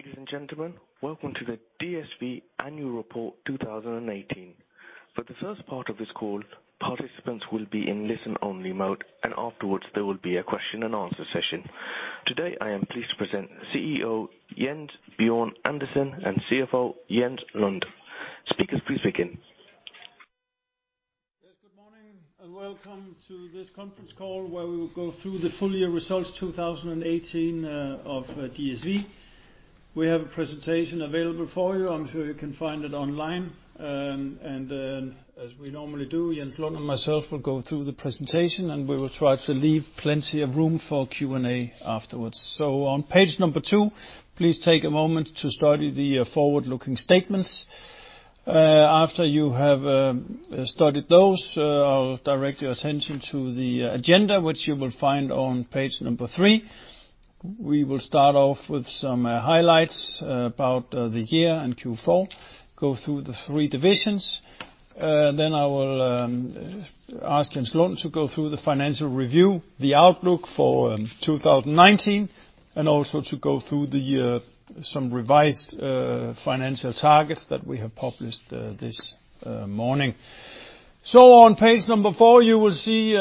Ladies and gentlemen, welcome to the DSV Annual Report 2018. For the first part of this call, participants will be in listen-only mode, and afterwards, there will be a question and answer session. Today, I am pleased to present CEO Jens Bjørn Andersen and CFO Jens Lund. Speakers, please begin. Yes, good morning and welcome to this conference call where we will go through the full year results 2018 of DSV. We have a presentation available for you. I'm sure you can find it online. As we normally do, Jens Lund and myself will go through the presentation, and we will try to leave plenty of room for Q&A afterwards. On page number two, please take a moment to study the forward-looking statements. After you have studied those, I'll direct your attention to the agenda, which you will find on page number three. We will start off with some highlights about the year and Q4, go through the three divisions, then I will ask Jens Lund to go through the financial review, the outlook for 2019, and also to go through some revised financial targets that we have published this morning. On page number four, you will see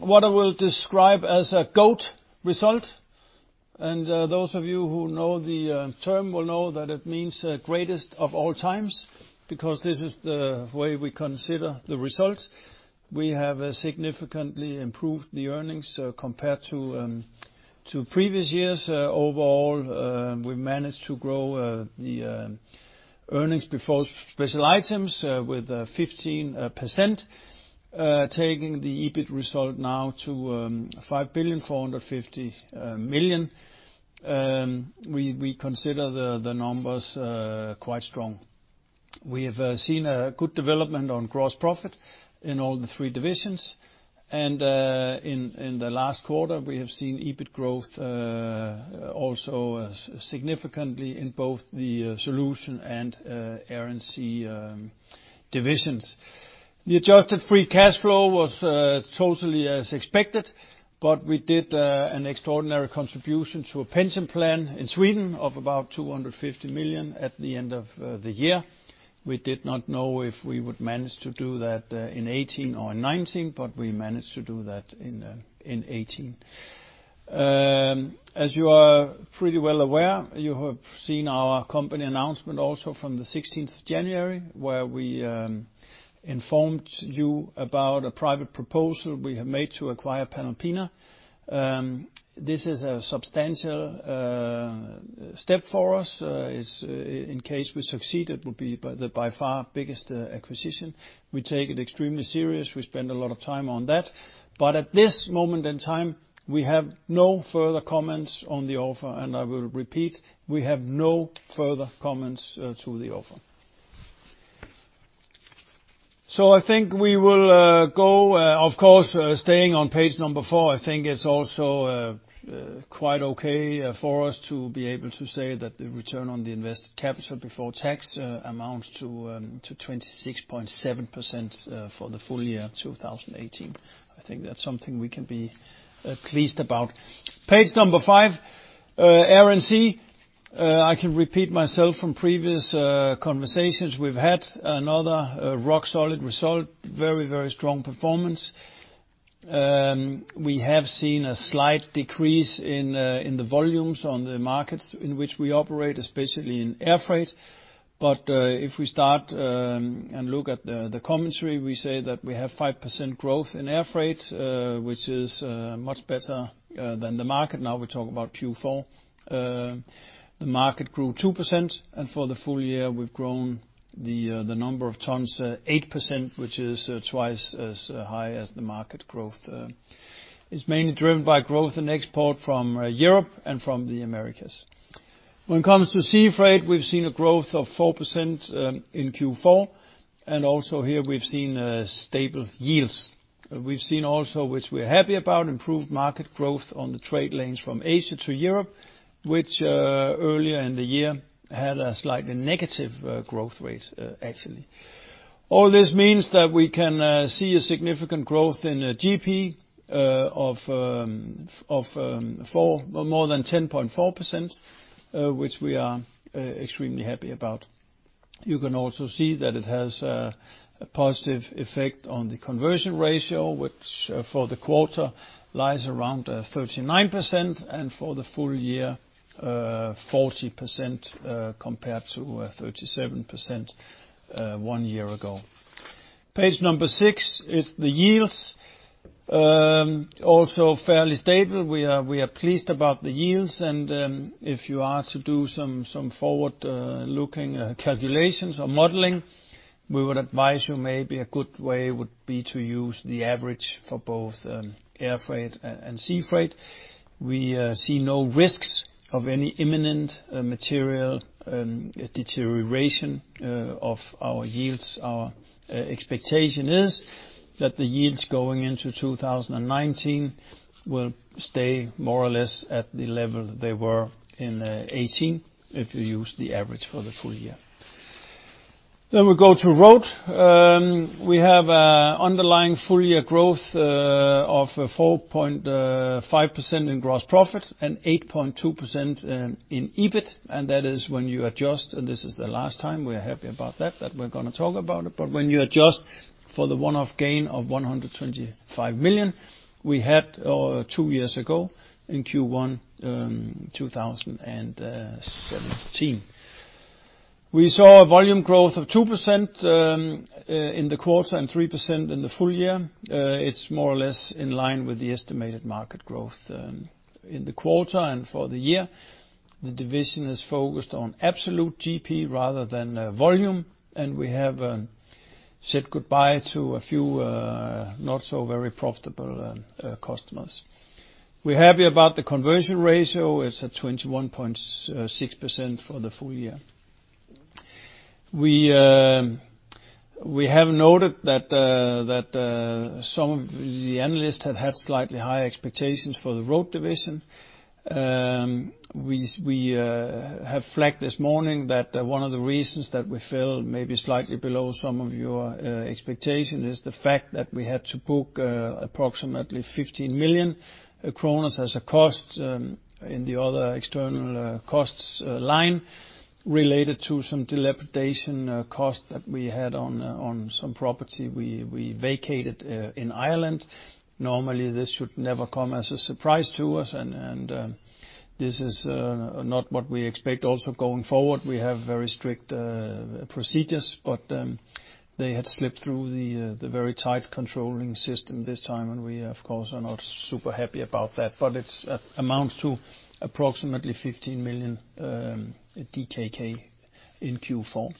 what I will describe as a GOAT result, and those of you who know the term will know that it means greatest of all times, because this is the way we consider the result. We have significantly improved the earnings compared to previous years. Overall, we've managed to grow the earnings before special items with 15%, taking the EBIT result now to 5,450,000,000. We consider the numbers quite strong. We have seen a good development on gross profit in all the three divisions, and in the last quarter, we have seen EBIT growth also significantly in both the Solutions and Air & Sea divisions. The adjusted free cash flow was totally as expected, but we did an extraordinary contribution to a pension plan in Sweden of about 250 million at the end of the year. We did not know if we would manage to do that in 2018 or 2019, but we managed to do that in 2018. As you are pretty well aware, you have seen our company announcement also from the 16th of January, where we informed you about a private proposal we have made to acquire Panalpina. This is a substantial step for us. In case we succeed, it will be the by far biggest acquisition. We take it extremely serious. We spend a lot of time on that. At this moment in time, we have no further comments on the offer, and I will repeat, we have no further comments to the offer. I think we will go, of course, staying on page number four. I think it's also quite okay for us to be able to say that the return on the invested capital before tax amounts to 26.7% for the full year 2018. I think that's something we can be pleased about. Page number five, Air & Sea. I can repeat myself from previous conversations we've had. Another rock-solid result. Very strong performance. We have seen a slight decrease in the volumes on the markets in which we operate, especially in air freight. If we start and look at the commentary, we say that we have 5% growth in air freight, which is much better than the market. We talk about Q4. The market grew 2%, and for the full year, we've grown the number of tons 8%, which is twice as high as the market growth. It's mainly driven by growth in export from Europe and from the Americas. When it comes to sea freight, we've seen a growth of 4% in Q4, and also here we've seen stable yields. We've seen also, which we're happy about, improved market growth on the trade lanes from Asia to Europe, which earlier in the year had a slightly negative growth rate, actually. All this means that we can see a significant growth in GP of more than 10.4%, which we are extremely happy about. You can also see that it has a positive effect on the conversion ratio, which for the quarter lies around 39% and for the full year, 40% compared to 37% one year ago. Page number six is the yields. Also fairly stable. We are pleased about the yields, and if you are to do some forward-looking calculations or modeling, we would advise you maybe a good way would be to use the average for both air freight and sea freight. We see no risks of any imminent material deterioration of our yields. Our expectation is that the yields going into 2019 will stay more or less at the level they were in 2018 if you use the average for the full year. We go to Road. We have underlying full-year growth of 4.5% in gross profit and 8.2% in EBIT, and that is when you adjust. This is the last time, we're happy about that we're going to talk about it. When you adjust for the one-off gain of 125 million we had two years ago in Q1 2017. We saw a volume growth of 2% in the quarter and 3% in the full year. It's more or less in line with the estimated market growth in the quarter and for the year. The division is focused on absolute GP rather than volume, and we have said goodbye to a few not so very profitable customers. We're happy about the conversion ratio. It's at 21.6% for the full year. We have noted that some of the analysts had had slightly higher expectations for the Road division. We have flagged this morning that one of the reasons that we fell maybe slightly below some of your expectation is the fact that we had to book approximately 15 million kroner as a cost in the other external costs line related to some dilapidation cost that we had on some property we vacated in Ireland. Normally, this should never come as a surprise to us and this is not what we expect also going forward. We have very strict procedures, but they had slipped through the very tight controlling system this time, and we, of course, are not super happy about that. It amounts to approximately 15 million DKK in Q4.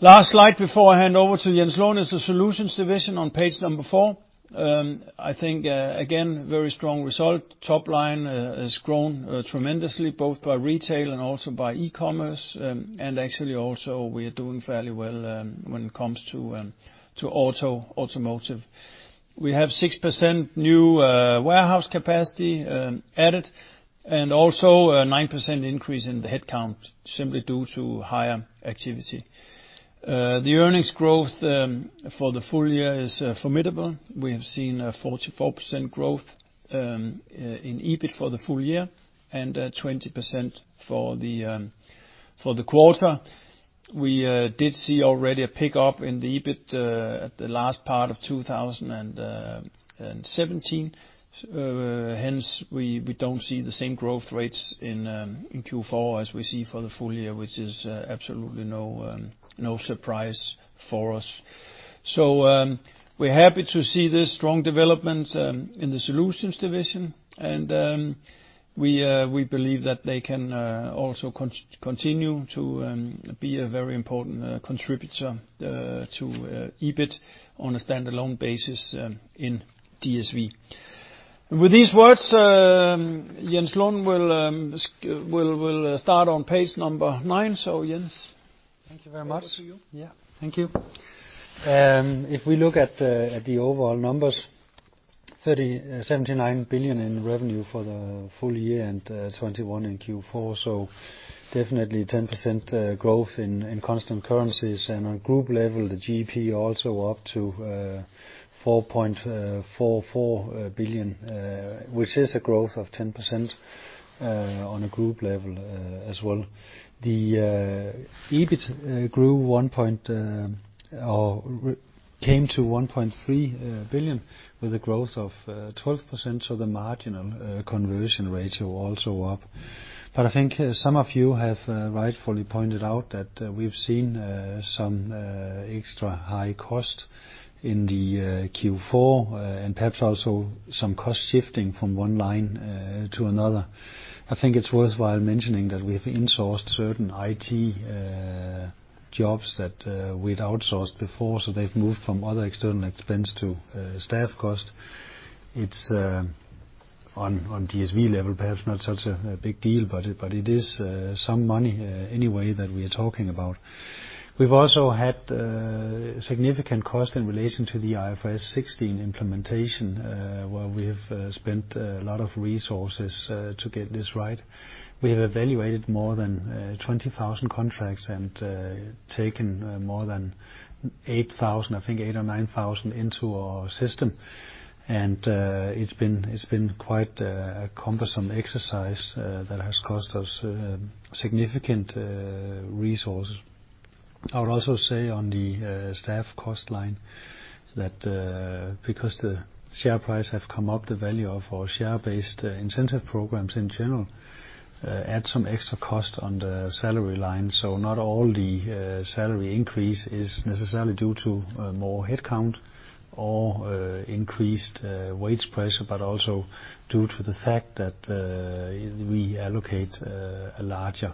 Last slide before I hand over to Jens Lund is the Solutions division on page number four. I think, again, very strong result. Top line has grown tremendously, both by retail and also by e-commerce. Actually, also, we are doing fairly well when it comes to automotive. We have 6% new warehouse capacity added and also a 9% increase in the headcount simply due to higher activity. The earnings growth for the full year is formidable. We have seen a 44% growth in EBIT for the full year and 20% for the quarter. We did see already a pickup in the EBIT at the last part of 2017, hence we don't see the same growth rates in Q4 as we see for the full year, which is absolutely no surprise for us. We're happy to see this strong development in the Solutions division, and we believe that they can also continue to be a very important contributor to EBIT on a standalone basis in DSV. With these words, Jens Lund will start on page number nine. Jens. Over to you. Thank you. If we look at the overall numbers, 79 billion in revenue for the full year and 21 billion in Q4, so definitely 10% growth in constant currencies. On group level, the GP also up to 4.44 billion, which is a growth of 10% on a group level as well. The EBIT came to 1.3 billion with a growth of 12%, so the marginal conversion ratio also up. I think some of you have rightfully pointed out that we have seen some extra high cost in Q4, and perhaps also some cost shifting from one line to another. I think it is worthwhile mentioning that we have insourced certain IT jobs that we had outsourced before, so they have moved from other external expense to staff cost. It is, on DSV level, perhaps not such a big deal, but it is some money, anyway, that we are talking about. We have also had significant cost in relation to the IFRS 16 implementation, where we have spent a lot of resources to get this right. We have evaluated more than 20,000 contracts and taken more than 8,000, I think 8,000 or 9,000 into our system, and it has been quite a cumbersome exercise that has cost us significant resources. I would also say on the staff cost line that because the share price has come up, the value of our share-based incentive programs in general adds some extra cost on the salary line. Not all the salary increase is necessarily due to more headcount or increased wage pressure, but also due to the fact that we allocate a larger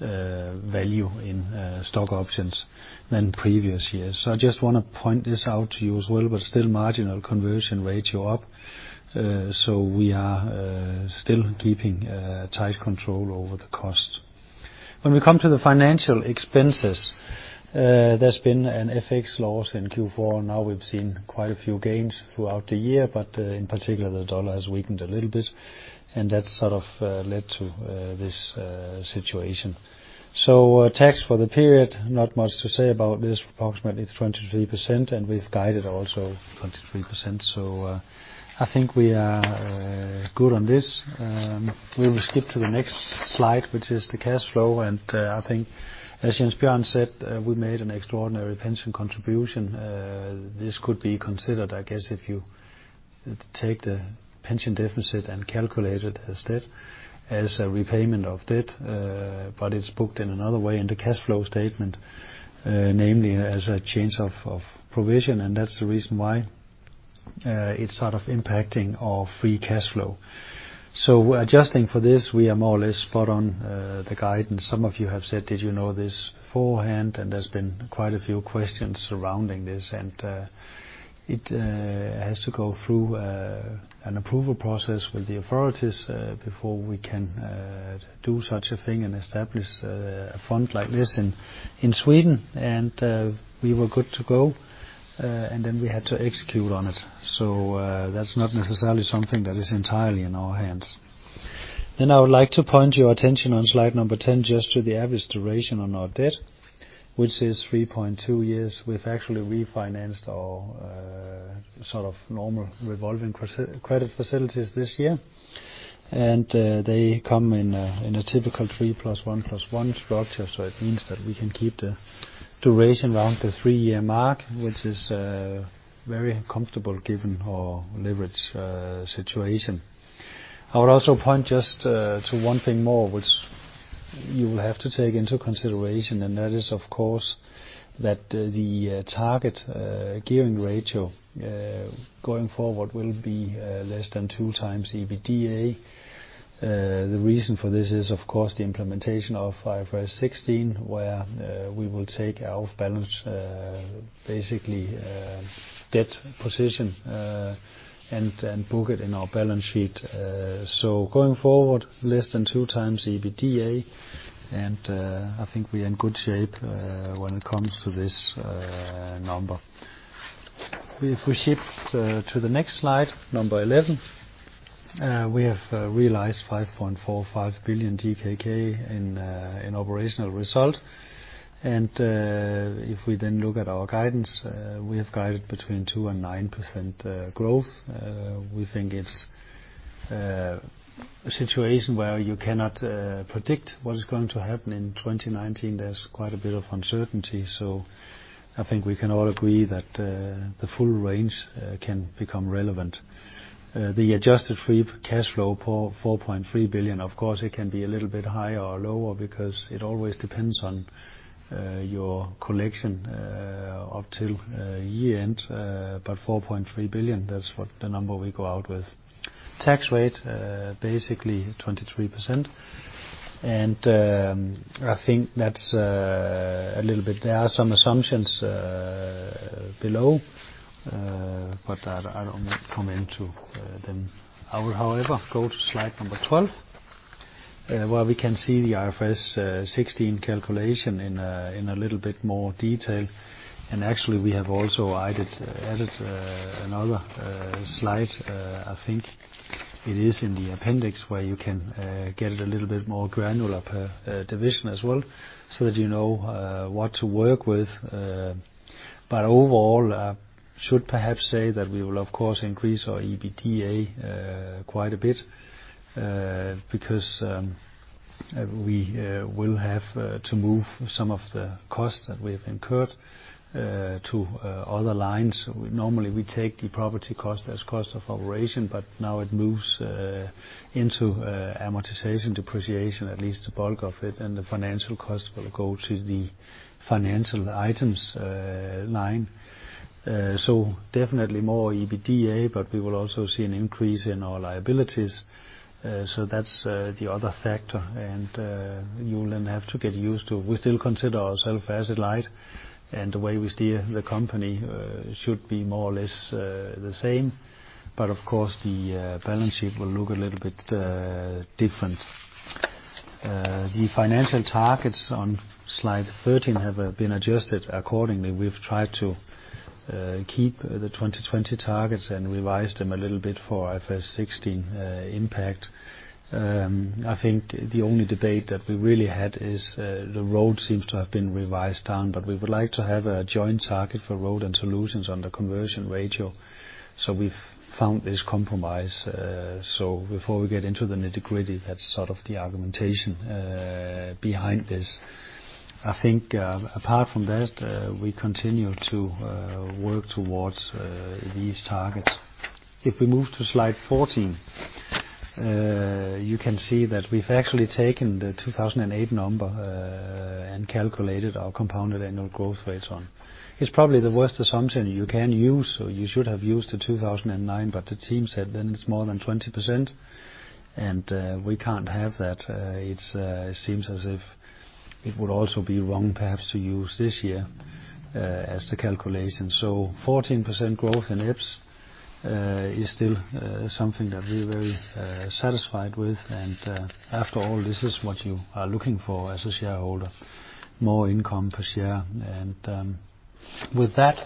value in stock options than previous years. I just want to point this out to you as well, but still marginal conversion ratio up. We are still keeping tight control over the cost. When we come to the financial expenses, there has been an FX loss in Q4. We have seen quite a few gains throughout the year, but in particular, the dollar has weakened a little bit, and that sort of led to this situation. Tax for the period, not much to say about this. Approximately 23%, and we have guided also 23%. I think we are good on this. We will skip to the next slide, which is the cash flow. I think as Jens Bjørn said, we made an extraordinary pension contribution. This could be considered, I guess, if you take the pension deficit and calculate it as debt, as a repayment of debt, but it is booked in another way in the cash flow statement, namely as a change of provision. That is the reason why it is sort of impacting our free cash flow. Adjusting for this, we are more or less spot on the guidance. Some of you have said, "Did you know this beforehand?" There has been quite a few questions surrounding this, and it has to go through an approval process with the authorities, before we can do such a thing and establish a fund like this in Sweden. We were good to go, and then we had to execute on it. That is not necessarily something that is entirely in our hands. I would like to point your attention on slide number 10 just to the average duration on our debt, which is 3.2 years. We have actually refinanced our sort of normal revolving credit facilities this year. They come in a typical three plus one plus one structure, so it means that we can keep the duration around the three-year mark, which is very comfortable given our leverage situation. I would also point just to one thing more, which you will have to take into consideration, and that is, of course, that the target gearing ratio, going forward will be less than 2x EBITDA. The reason for this is, of course, the implementation of IFRS 16, where we will take our off-balance, basically, debt position, and book it in our balance sheet. Going forward, less than 2x EBITDA, and I think we are in good shape when it comes to this number. If we shift to the next slide, number 11, we have realized 5.45 billion DKK in operational result. If we then look at our guidance, we have guided between 2% and 9% growth. We think it's a situation where you cannot predict what is going to happen in 2019. There's quite a bit of uncertainty. I think we can all agree that the full range can become relevant. The adjusted free cash flow for 4.3 billion, of course, it can be a little bit higher or lower because it always depends on your collection up till year-end. 4.3 billion, that's what the number we go out with. Tax rate, basically 23%. I think that's a little bit, there are some assumptions below, but I'll not come into them. I will, however, go to slide number 12, where we can see the IFRS 16 calculation in a little bit more detail. Actually, we have also added another slide, I think it is in the appendix where you can get it a little bit more granular per division as well, so that you know what to work with. Overall, should perhaps say that we will of course, increase our EBITDA, quite a bit. Because we will have to move some of the costs that we have incurred to other lines. Normally, we take the property cost as cost of operation, but now it moves into amortization depreciation, at least the bulk of it, and the financial cost will go to the financial items line. Definitely more EBITDA, but we will also see an increase in our liabilities. That's the other factor. You'll then have to get used to. We still consider ourself asset-light, and the way we steer the company should be more or less the same. Of course, the balance sheet will look a little bit different. The financial targets on slide 13 have been adjusted accordingly. We've tried to keep the 2020 targets and revised them a little bit for IFRS 16 impact. I think the only debate that we really had is, the Road seems to have been revised down, but we would like to have a joint target for Road and Solutions on the conversion ratio. We've found this compromise. Before we get into the nitty-gritty, that's sort of the argumentation behind this. I think, apart from that, we continue to work towards these targets. If we move to slide 14, you can see that we've actually taken the 2008 number and calculated our compounded annual growth rates on. It's probably the worst assumption you can use, you should have used the 2009, the team said then it's more than 20%, and we can't have that. It seems as if it would also be wrong perhaps to use this year, as the calculation. 14% growth in EPS is still something that we're very satisfied with. After all, this is what you are looking for as a shareholder, more income per share. With that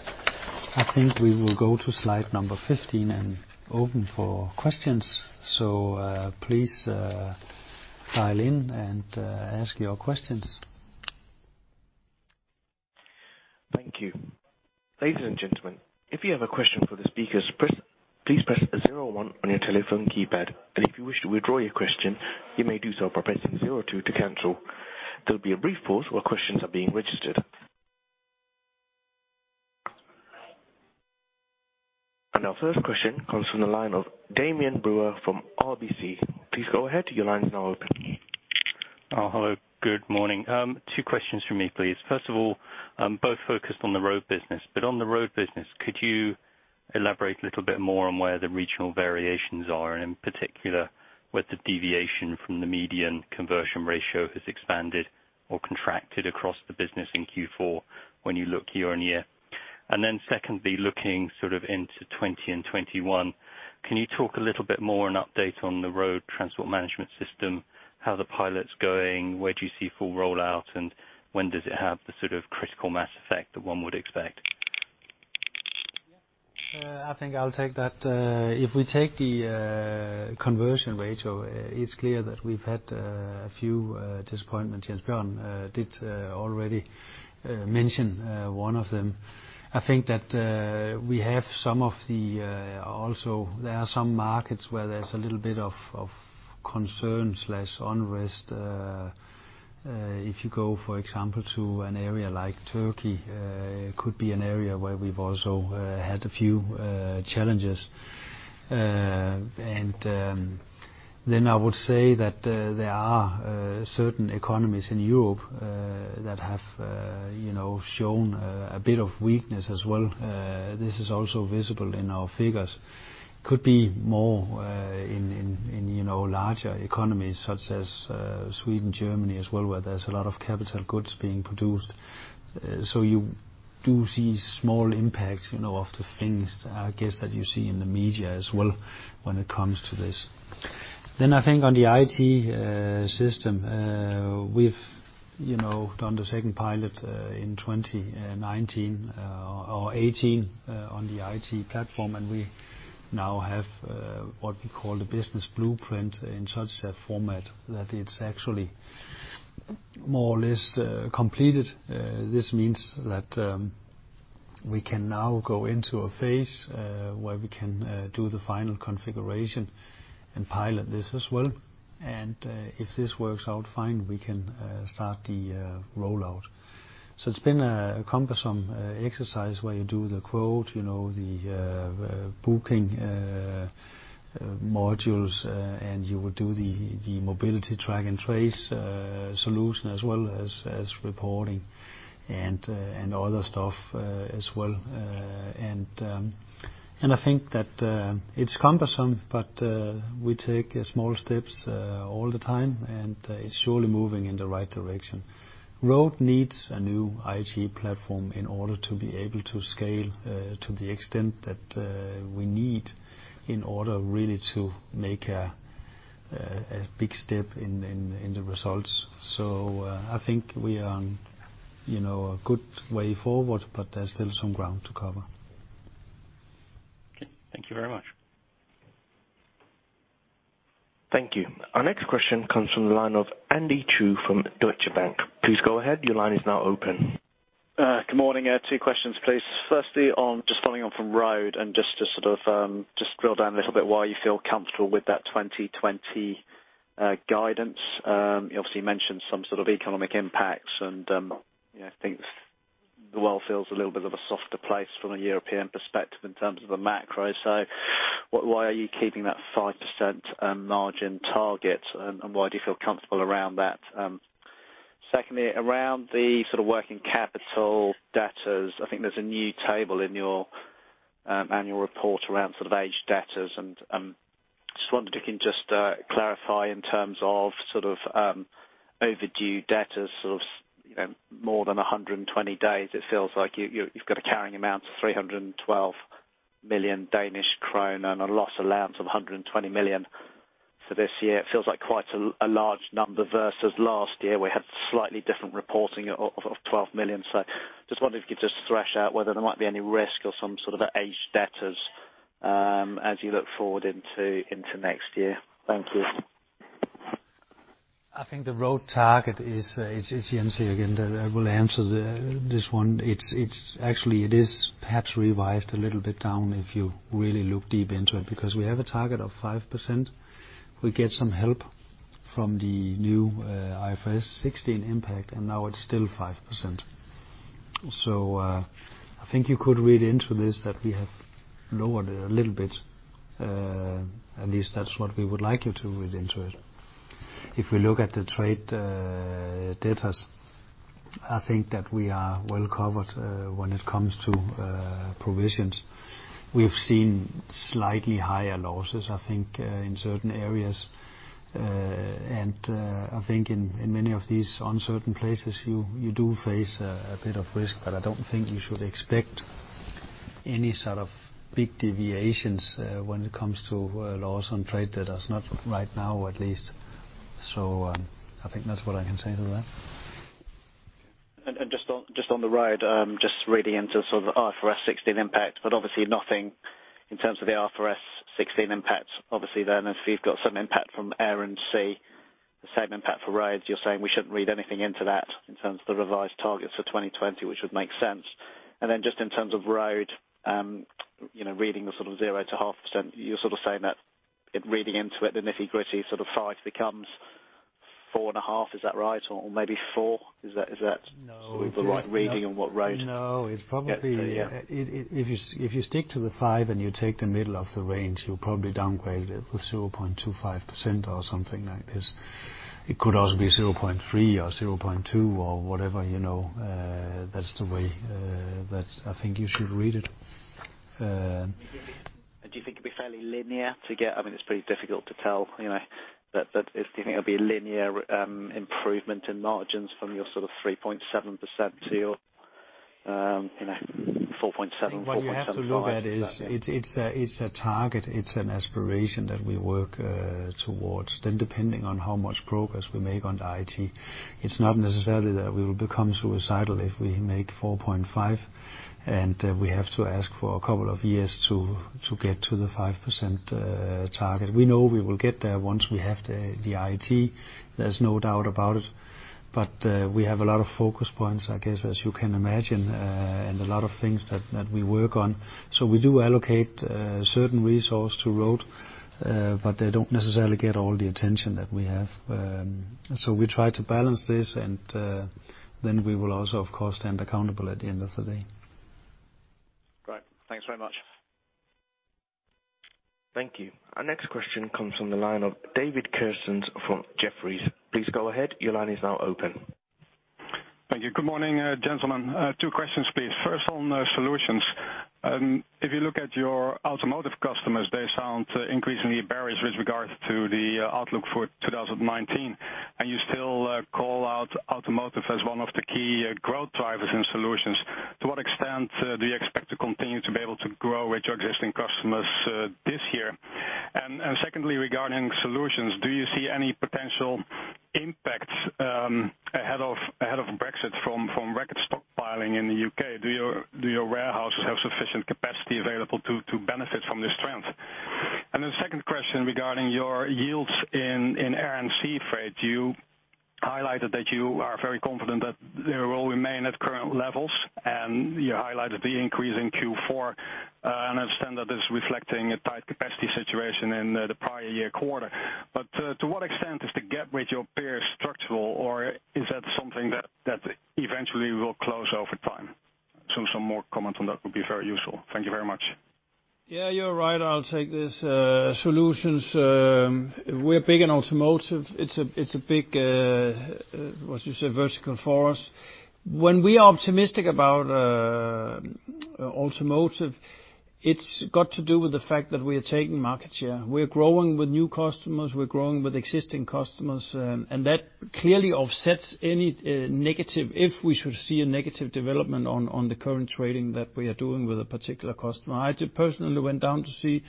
I think we will go to slide 15 and open for questions. Please dial in and ask your questions. Thank you. Ladies and gentlemen, if you have a question for the speakers, please press zero one on your telephone keypad, and if you wish to withdraw your question, you may do so by pressing zero two to cancel. There'll be a brief pause while questions are being registered. Our first question comes from the line of Damian Brewer from RBC. Please go ahead. Your line is now open. Hello. Good morning. Two questions from me, please. First of all, both focused on the Road business. On the Road business, could you elaborate a little bit more on where the regional variations are, and in particular, whether deviation from the median conversion ratio has expanded or contracted across the business in Q4 when you look year-over-year? Secondly, looking sort of into 2020 and 2021, can you talk a little bit more and update on the Road transport management system, how the pilot's going, where do you see full rollout, and when does it have the sort of critical mass effect that one would expect? I think I'll take that. If we take the conversion ratio, it's clear that we've had a few disappointments. Jens Bjørn did already mention one of them. There are some markets where there's a little bit of concern/unrest. If you go, for example, to an area like Turkey, could be an area where we've also had a few challenges. I would say that there are certain economies in Europe that have shown a bit of weakness as well. This is also visible in our figures. Could be more in larger economies such as Sweden, Germany as well, where there's a lot of capital goods being produced. You do see small impacts, of the things, I guess that you see in the media as well when it comes to this. I think on the IT system, we've done the second pilot in 2019 or 2018 on the IT platform, and we now have what we call the business blueprint in such a format that it's actually more or less completed. This means that we can now go into a phase where we can do the final configuration and pilot this as well. If this works out fine, we can start the rollout. It's been a cumbersome exercise where you do the quote, the booking modules, and you would do the mobility track and trace solution as well as reporting and other stuff as well. I think that it's cumbersome, but we take small steps all the time, and it's surely moving in the right direction. Road needs a new IT platform in order to be able to scale to the extent that we need in order really to make a big step in the results. I think we are on a good way forward, but there's still some ground to cover. Thank you very much. Thank you. Our next question comes from the line of Andy Chu from Deutsche Bank. Please go ahead. Your line is now open. Good morning. Two questions, please. Firstly, on just following on from Road and just to sort of drill down a little bit why you feel comfortable with that 2020 guidance. You obviously mentioned some sort of economic impacts. I think the world feels a little bit of a softer place from a European perspective in terms of the macro. Why are you keeping that 5% margin target, and why do you feel comfortable around that? Secondly, around the sort of working capital debtors, I think there's a new table in your annual report around sort of aged debtors. Just wondered if you can just clarify in terms of sort of overdue debtors, sort of more than 120 days. It feels like you've got a carrying amount of 312 million Danish krone and a loss allowance of 120 million for this year. It feels like quite a large number versus last year. We had slightly different reporting of 12 million. Just wondered if you could just thresh out whether there might be any risk or some sort of aged debtors as you look forward into next year. Thank you. I think the Road target is, it's Jens again that will answer this one. Actually it is perhaps revised a little bit down if you really look deep into it, because we have a target of 5%. We get some help from the new IFRS 16 impact. Now it's still 5%. I think you could read into this that we have lowered it a little bit. At least that's what we would like you to read into it. If we look at the trade debtors, I think that we are well covered when it comes to provisions. We've seen slightly higher losses, I think, in certain areas. I think in many of these uncertain places, you do face a bit of risk, but I don't think you should expect any sort of big deviations when it comes to losses on trade debtors, not right now at least. I think that's what I can say to that. Just on the Road, just reading into sort of the IFRS 16 impact, obviously nothing in terms of the IFRS 16 impact. If you've got some impact from Air & Sea, the same impact for Road, you're saying we shouldn't read anything into that in terms of the revised targets for 2020, which would make sense. Just in terms of Road, reading the sort of 0%-0.5%, you're saying that reading into it, the nitty-gritty, sort of 5% becomes 4.5%. Is that right? Or maybe 4%. Is that- No The right reading on what Road? No. It's probably- Yeah If you stick to the 5% and you take the middle of the range, you'll probably downgrade it with 0.25% or something like this. It could also be 0.3% or 0.2% or whatever, that's the way that I think you should read it. Do you think it'd be fairly linear to get I mean, it's pretty difficult to tell, but do you think it'll be a linear improvement in margins from your sort of 3.7% to your 4.7%-4.75%? Is that? What you have to look at is, it's a target, it's an aspiration that we work towards. Depending on how much progress we make on the IT, it's not necessarily that we will become suicidal if we make 4.5%, and we have to ask for a couple of years to get to the 5% target. We know we will get there once we have the IT. There's no doubt about it. We have a lot of focus points, I guess, as you can imagine, and a lot of things that we work on. We do allocate a certain resource to Road, but they don't necessarily get all the attention that we have. We try to balance this, and then we will also, of course, stand accountable at the end of the day. Right. Thanks very much. Thank you. Our next question comes from the line of David Kerstens from Jefferies. Please go ahead. Your line is now open. Thank you. Good morning, gentlemen. Two questions, please. First on Solutions. If you look at your automotive customers, they sound increasingly bearish with regards to the outlook for 2019, you still call out automotive as one of the key growth drivers in Solutions. To what extent do you expect to continue to be able to grow with your existing customers this year? Secondly, regarding Solutions, do you see any potential impacts ahead of Brexit from record stockpiling in the U.K.? Do your warehouses have sufficient capacity available to benefit from this trend? The second question regarding your yields in air and sea freight. You highlighted that you are very confident that they will remain at current levels, you highlighted the increase in Q4. I understand that is reflecting a tight capacity situation in the prior year quarter. To what extent is the gap with your peers structural, or is that something that eventually will close over time? Some more comments on that would be very useful. Thank you very much. Yeah, you're right. I'll take this. Solutions, we're big in automotive. It's a big, what you say, vertical for us. When we are optimistic about automotive, it's got to do with the fact that we are taking market share. We're growing with new customers, we're growing with existing customers, and that clearly offsets any negative, if we should see a negative development on the current trading that we are doing with a particular customer. I personally went down to see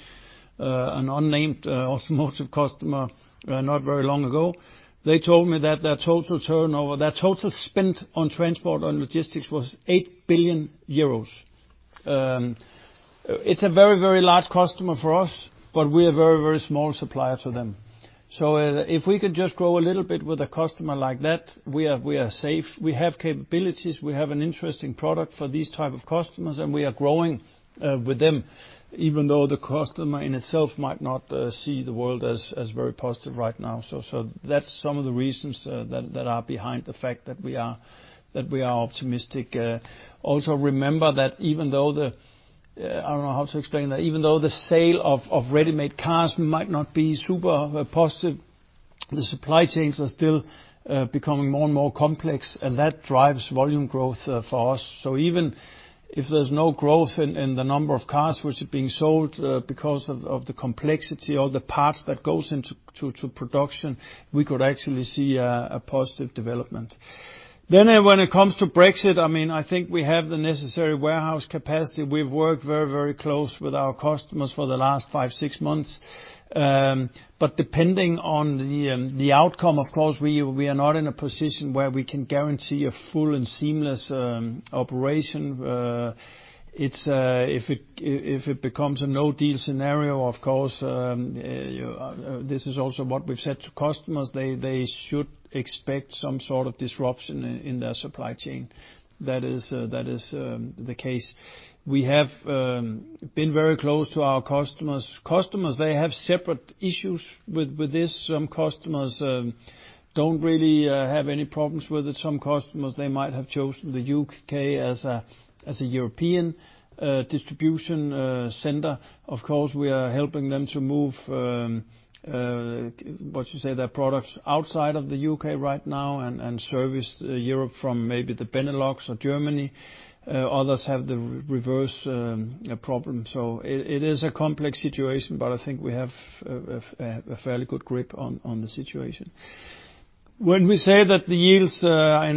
an unnamed automotive customer not very long ago. They told me that their total turnover, their total spend on transport and logistics was 8 billion euros. It's a very, very large customer for us, but we're a very, very small supplier to them. If we could just grow a little bit with a customer like that, we are safe. We have capabilities, we have an interesting product for these type of customers, and we are growing with them, even though the customer in itself might not see the world as very positive right now. That's some of the reasons that are behind the fact that we are optimistic. Also remember that even though the sale of ready-made cars might not be super positive, the supply chains are still becoming more and more complex, and that drives volume growth for us. Even if there's no growth in the number of cars which are being sold because of the complexity or the parts that goes into production, we could actually see a positive development. When it comes to Brexit, I think we have the necessary warehouse capacity. Depending on the outcome, of course, we are not in a position where we can guarantee a full and seamless operation. If it becomes a no-deal scenario, of course, this is also what we've said to customers, they should expect some sort of disruption in their supply chain. That is the case. We have been very close to our customers. Customers, they have separate issues with this. Some customers don't really have any problems with it. Some customers, they might have chosen the U.K. as a European distribution center. Of course, we are helping them to move, what you say, their products outside of the U.K. right now and service Europe from maybe the Benelux or Germany. Others have the reverse problem. It is a complex situation, but I think we have a fairly good grip on the situation. When we say that the yields in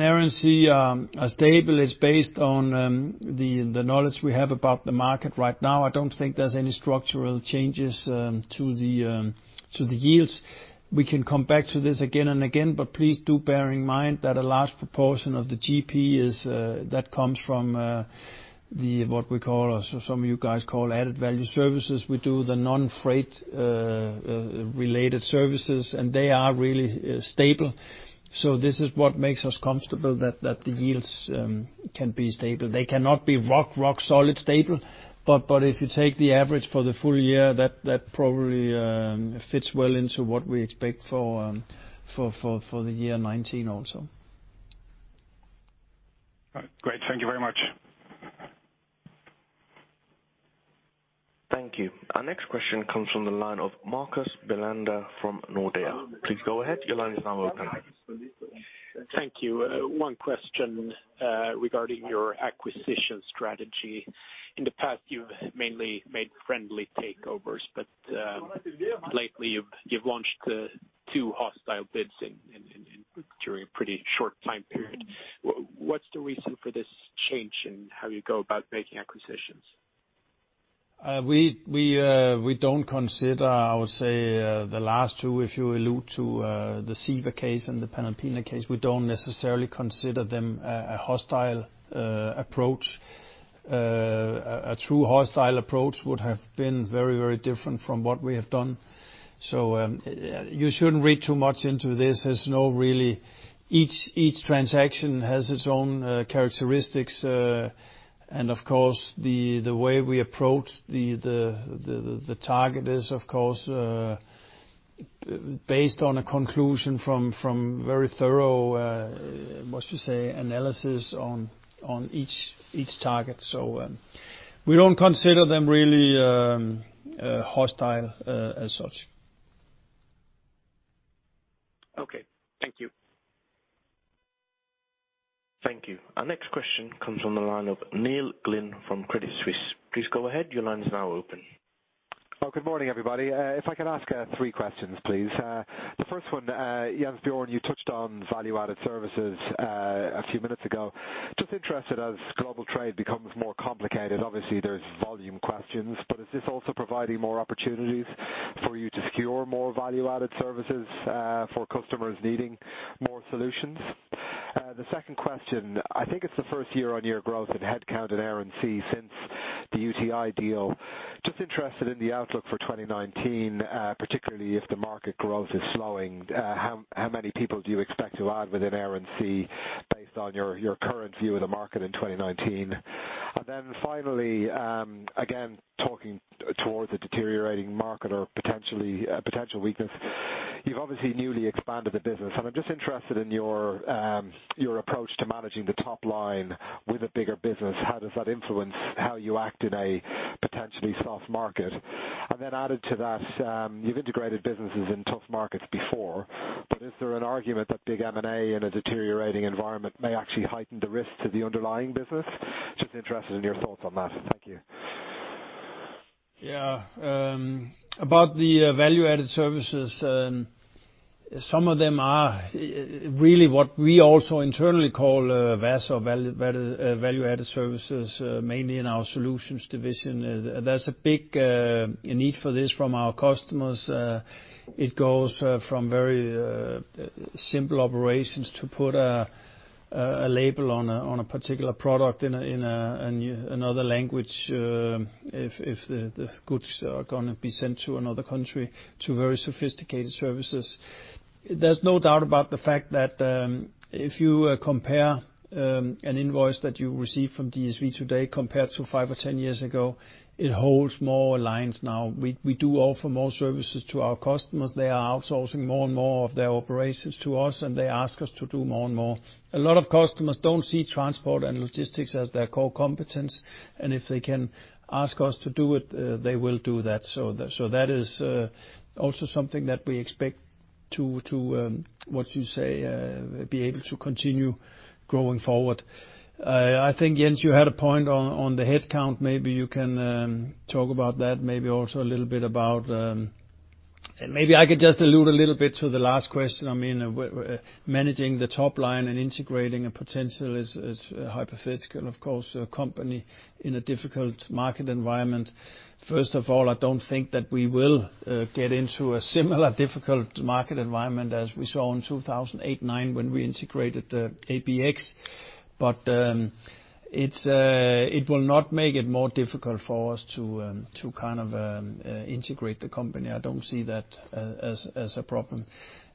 Air & Sea are stable, it's based on the knowledge we have about the market right now. I don't think there's any structural changes to the yields. We can come back to this again and again, but please do bear in mind that a large proportion of the GP that comes from what we call, or some of you guys call added value services. We do the non-freight-related services, and they are really stable. This is what makes us comfortable that the yields can be stable. They cannot be rock solid stable. If you take the average for the full year, that probably fits well into what we expect for the year 2019 also. All right. Great. Thank you very much. Thank you. Our next question comes from the line of Marcus Bellander from Nordea. Please go ahead. Your line is now open. Thank you. One question regarding your acquisition strategy. In the past, you've mainly made friendly takeovers, but lately you've launched two hostile bids during a pretty short time period. What's the reason for this change in how you go about making acquisitions? We don't consider, I would say, the last two. If you allude to the CEVA case and the Panalpina case, we don't necessarily consider them a hostile approach. A true hostile approach would have been very different from what we have done. You shouldn't read too much into this. Each transaction has its own characteristics. Of course, the way we approach the target is, of course, based on a conclusion from very thorough, what you say, analysis on each target. We don't consider them really hostile as such. Okay. Thank you. Thank you. Our next question comes from the line of Neil Glynn from Credit Suisse. Please go ahead. Your line's now open. Good morning, everybody. If I could ask three questions, please. The first one, Jens Bjørn, you touched on value-added services a few minutes ago. Just interested, as global trade becomes more complicated, obviously, there's volume questions, but is this also providing more opportunities for you to secure more value-added services for customers needing more solutions? The second question, I think it's the first year-on-year growth in headcount in Air & Sea since the UTi deal. Just interested in the outlook for 2019, particularly if the market growth is slowing. How many people do you expect to add within Air & Sea based on your current view of the market in 2019? Finally, again, talking towards a deteriorating market or potential weakness. You've obviously newly expanded the business, and I'm just interested in your approach to managing the top line with a bigger business. How does that influence how you act in a potentially soft market? Added to that, you've integrated businesses in tough markets before, but is there an argument that big M&A in a deteriorating environment may actually heighten the risk to the underlying business? Just interested in your thoughts on that. Thank you. About the value-added services, some of them are really what we also internally call VAS or value-added services, mainly in our Solutions division. There's a big need for this from our customers. It goes from very simple operations to put a label on a particular product in another language, if the goods are going to be sent to another country, to very sophisticated services. There's no doubt about the fact that if you compare an invoice that you receive from DSV today compared to five or 10 years ago, it holds more lines now. We do offer more services to our customers. They are outsourcing more and more of their operations to us, and they ask us to do more and more. A lot of customers don't see transport and logistics as their core competence, and if they can ask us to do it, they will do that. That is also something that we expect to be able to continue going forward. I think, Jens, you had a point on the headcount. Maybe you can talk about that. Maybe I could just allude a little bit to the last question. Managing the top line and integrating a potential is hypothetical, of course, a company in a difficult market environment. First of all, I don't think that we will get into a similar difficult market environment as we saw in 2008,2009 when we integrated ABX. It will not make it more difficult for us to integrate the company. I don't see that as a problem.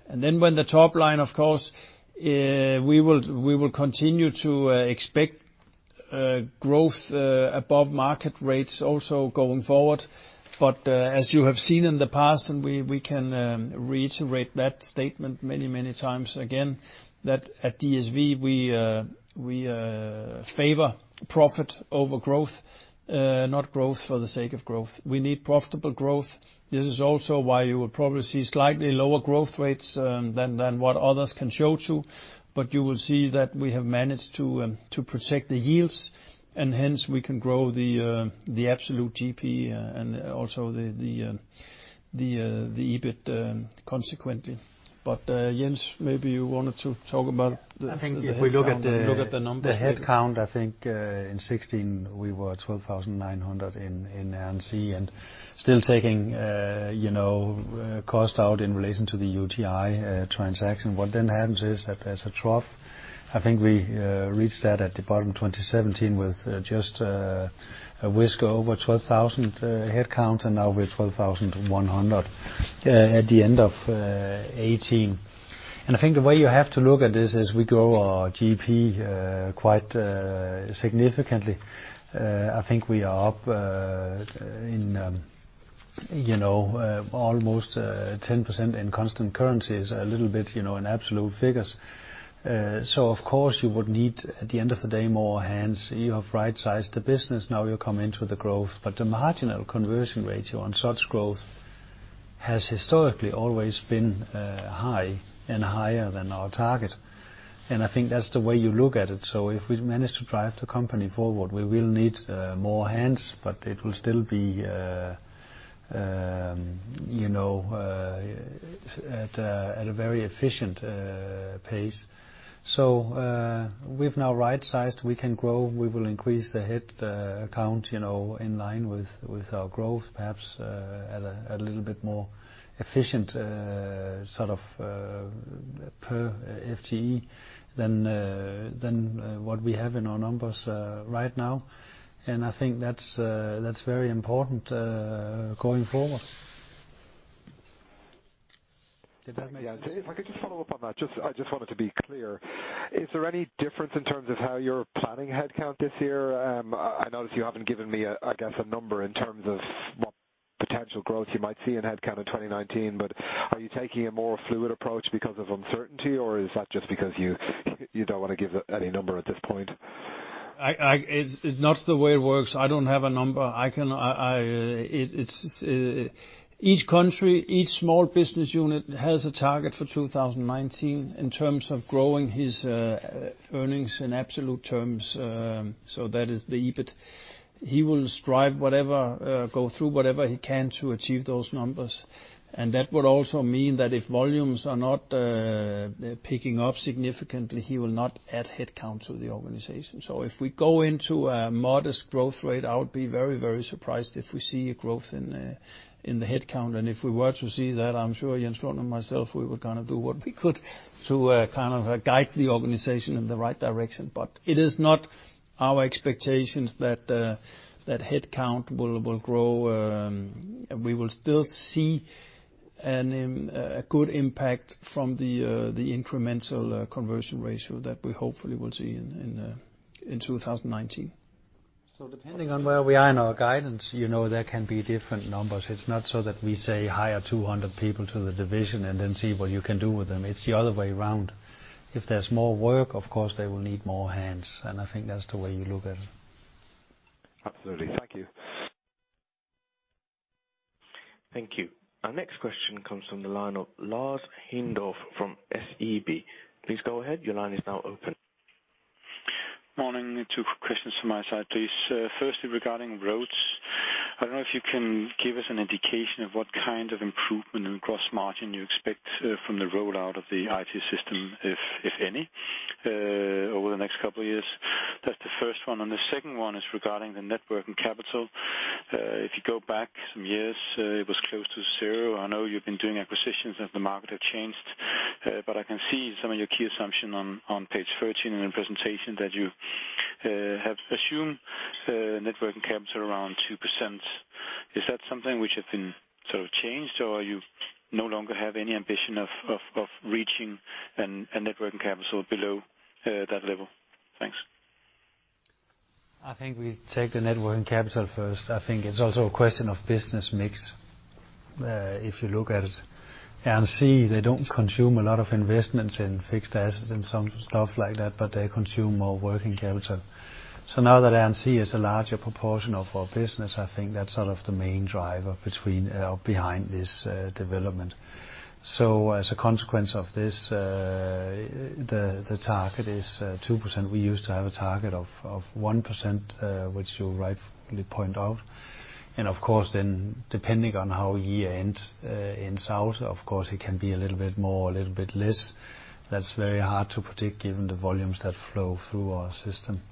When the top line, of course, we will continue to expect growth above market rates also going forward. As you have seen in the past, we can reiterate that statement many times again. At DSV, we favor profit over growth, not growth for the sake of growth. We need profitable growth. This is also why you will probably see slightly lower growth rates than what others can show to. You will see that we have managed to protect the yields, and hence, we can grow the absolute GP and also the EBIT consequently. Jens, maybe you wanted to talk about the- I think if we look at the- Look at the numbers The headcount, I think, in 2016 we were 12,900 in NC. Still taking cost out in relation to the UTi transaction. What then happens is that there's a trough. I think we reached that at the bottom of 2017 with just a whisker over 12,000 headcount, and now we're 12,100 at the end of 2018. I think the way you have to look at this is we grow our GP quite significantly. I think we are up almost 10% in constant currencies, a little bit in absolute figures. Of course you would need, at the end of the day, more hands. You have right-sized the business, now you'll come into the growth. The marginal conversion ratio on such growth has historically always been high, and higher than our target. I think that's the way you look at it. If we manage to drive the company forward, we will need more hands, but it will still be at a very efficient pace. We've now right-sized. We can grow. We will increase the headcount in line with our growth, perhaps at a little bit more efficient sort of per FTE than what we have in our numbers right now. I think that's very important going forward. Did that make- Yeah. If I could just follow up on that, I just wanted to be clear. Is there any difference in terms of how you're planning headcount this year? I notice you haven't given me, I guess, a number in terms of what potential growth you might see in headcount in 2019. Are you taking a more fluid approach because of uncertainty, or is that just because you don't want to give any number at this point? It's not the way it works. I don't have a number. Each country, each small business unit has a target for 2019 in terms of growing its earnings in absolute terms. That is the EBIT. He will strive, go through whatever he can to achieve those numbers. That would also mean that if volumes are not picking up significantly, he will not add headcount to the organization. If we go into a modest growth rate, I would be very surprised if we see a growth in the headcount. If we were to see that, I'm sure Jens and myself, we would do what we could to guide the organization in the right direction. It is not our expectations that headcount will grow. We will still see a good impact from the incremental conversion ratio that we hopefully will see in 2019. Depending on where we are in our guidance, there can be different numbers. It's not so that we say hire 200 people to the division and then see what you can do with them. It's the other way around. If there's more work, of course they will need more hands, and I think that's the way you look at it. Absolutely. Thank you. Thank you. Our next question comes from the line of Lars Heindorff from SEB. Please go ahead. Your line is now open. Morning. Two questions from my side, please. Firstly, regarding Road. I don't know if you can give us an indication of what kind of improvement in gross margin you expect from the rollout of the IT system, if any, over the next couple of years. That's the first one, and the second one is regarding the net working capital. If you go back some years, it was close to zero. I know you've been doing acquisitions as the market has changed, but I can see some of your key assumptions on page 13 in the presentation, that you have assumed net working capital around 2%. Is that something which has been changed, or you no longer have any ambition of reaching a net working capital below that level? Thanks. I think we take the net working capital first. I think it's also a question of business mix, if you look at it. NC, they don't consume a lot of investments in fixed assets and some stuff like that, but they consume more working capital. Now that NC is a larger proportion of our business, I think that's the main driver behind this development. As a consequence of this, the target is 2%. We used to have a target of 1%, which you rightly point out. Depending on how a year ends out, of course it can be a little bit more or a little bit less. That's very hard to predict given the volumes that flow through our system.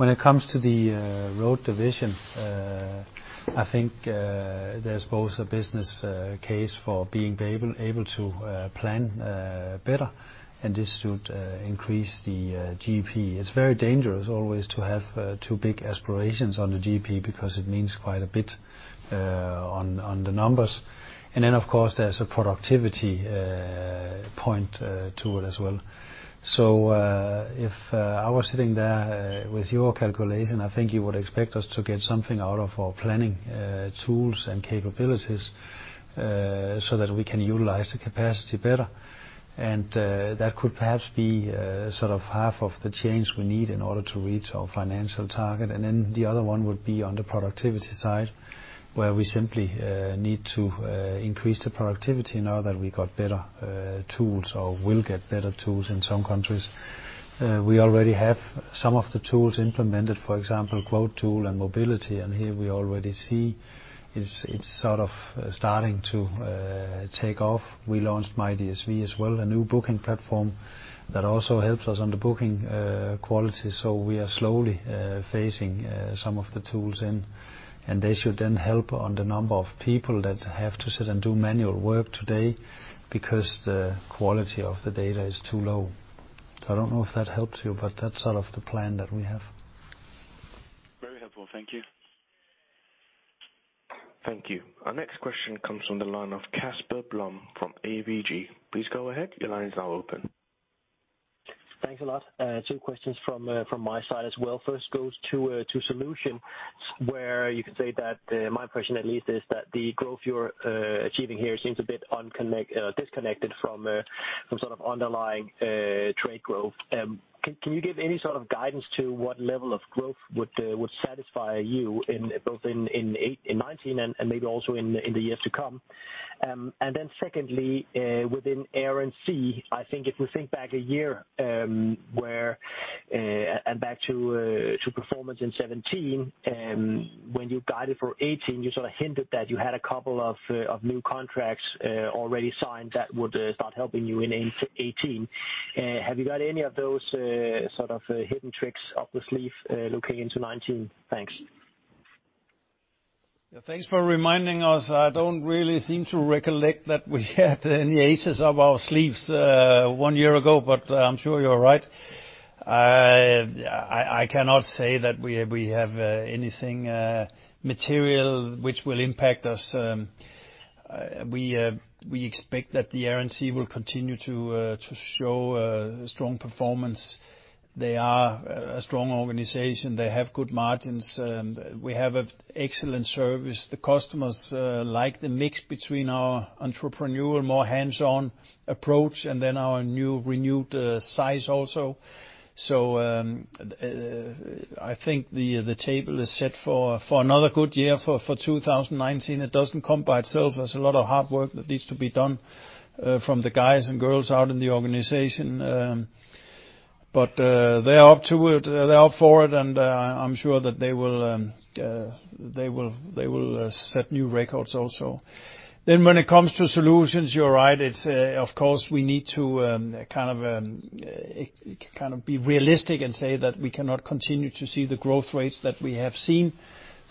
When it comes to the Road division, I think there's both a business case for being able to plan better, this should increase the GP. It's very dangerous always to have too big aspirations on the GP, because it means quite a bit on the numbers. There's a productivity point to it as well. If I were sitting there with your calculation, I think you would expect us to get something out of our planning tools and capabilities so that we can utilize the capacity better. That could perhaps be half of the change we need in order to reach our financial target. The other one would be on the productivity side, where we simply need to increase the productivity now that we got better tools or will get better tools in some countries. We already have some of the tools implemented, for example, quote tool and mobility, here we already see it's starting to take off. We launched MyDSV as well, a new booking platform that also helps us on the booking quality. We are slowly phasing some of the tools in, they should help on the number of people that have to sit and do manual work today because the quality of the data is too low. I don't know if that helps you, but that's the plan that we have. Very helpful. Thank you. Thank you. Our next question comes from the line of Casper Blom from ABG. Please go ahead. Your line is now open. Thanks a lot. Two questions from my side as well. First goes to Solutions, where you can say that, my impression at least is that the growth you are achieving here seems a bit disconnected from underlying trade growth. Can you give any sort of guidance to what level of growth would satisfy you, both in 2019 and maybe also in the years to come? Secondly, within Air & Sea, I think if we think back a year, and back to performance in 2017, when you guided for 2018, you sort of hinted that you had a couple of new contracts already signed that would start helping you in 2018. Have you got any of those hidden tricks up the sleeve, looking into 2019? Thanks. Thanks for reminding us. I don't really seem to recollect that we had any aces up our sleeves one year ago, but I'm sure you are right. I cannot say that we have anything material which will impact us. We expect that the Air & Sea will continue to show strong performance. They are a strong organization. They have good margins. We have excellent service. The customers like the mix between our entrepreneurial more hands-on approach and then our new renewed size also. I think the table is set for another good year for 2019. It doesn't come by itself. There's a lot of hard work that needs to be done from the guys and girls out in the organization. They are up to it, they are up for it, and I'm sure that they will set new records also. When it comes to Solutions, you are right. Of course, we need to be realistic and say that we cannot continue to see the growth rates that we have seen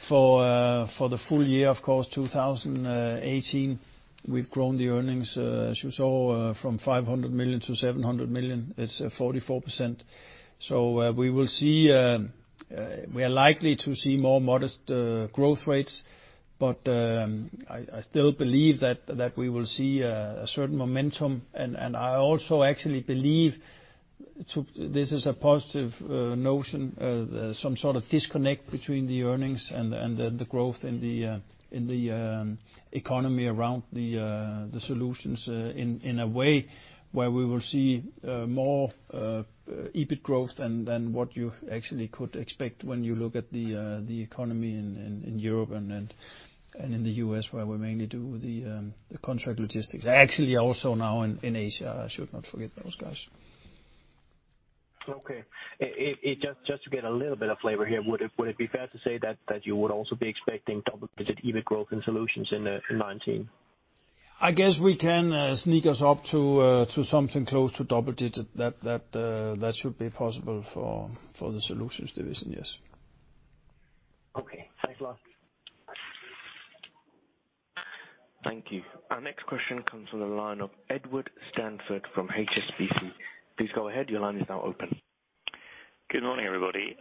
for the full year. Of course, 2018, we've grown the earnings, as you saw, from 500 million to 700 million. It's 44%. We are likely to see more modest growth rates. I still believe that we will see a certain momentum, and I also actually believe this is a positive notion, some sort of disconnect between the earnings and the growth in the economy around the Solutions in a way where we will see more EBIT growth than what you actually could expect when you look at the economy in Europe and in the U.S., where we mainly do the contract logistics. Actually also now in Asia. I should not forget those guys. Okay. Just to get a little bit of flavor here, would it be fair to say that you would also be expecting double-digit EBIT growth in Solutions in 2019? I guess we can sneak us up to something close to double-digit. That should be possible for the Solutions division, yes. Okay, thanks a lot. Thank you. Our next question comes from the line of Edward Stanford from HSBC. Please go ahead. Your line is now open. Good morning, everybody.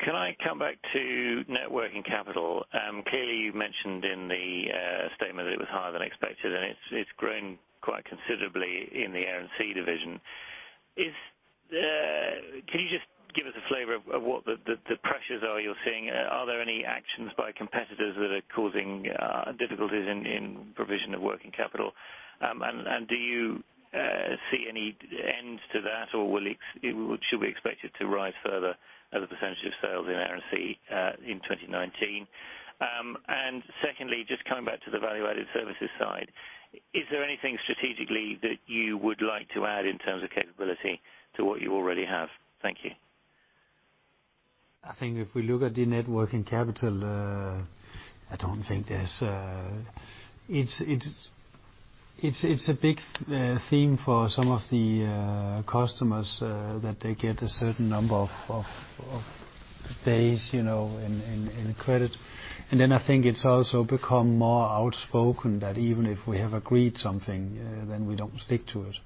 Can I come back to net working capital? Clearly, you mentioned in the statement that it was higher than expected, and it's grown quite considerably in the Air & Sea division. Can you just give us a flavor of what the pressures are you're seeing? Are there any actions by competitors that are causing difficulties in provision of working capital? Do you see any end to that, or should we expect it to rise further as a percentage of sales in Air & Sea in 2019? Secondly, just coming back to the value-added services side, is there anything strategically that you would like to add in terms of capability to what you already have? Thank you. I think if we look at the net working capital, I don't think it's a big theme for some of the customers that they get a certain number of days in credit. I think it's also become more outspoken that even if we have agreed something, then we don't stick to it.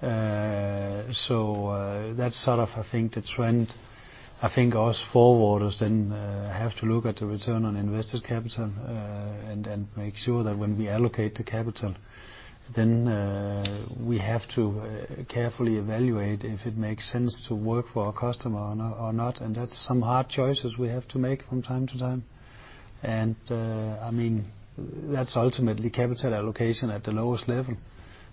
That's sort of, I think, the trend. I think us forwarders then have to look at the return on invested capital, and make sure that when we allocate the capital, then we have to carefully evaluate if it makes sense to work for a customer or not. That's some hard choices we have to make from time to time. That's ultimately capital allocation at the lowest level.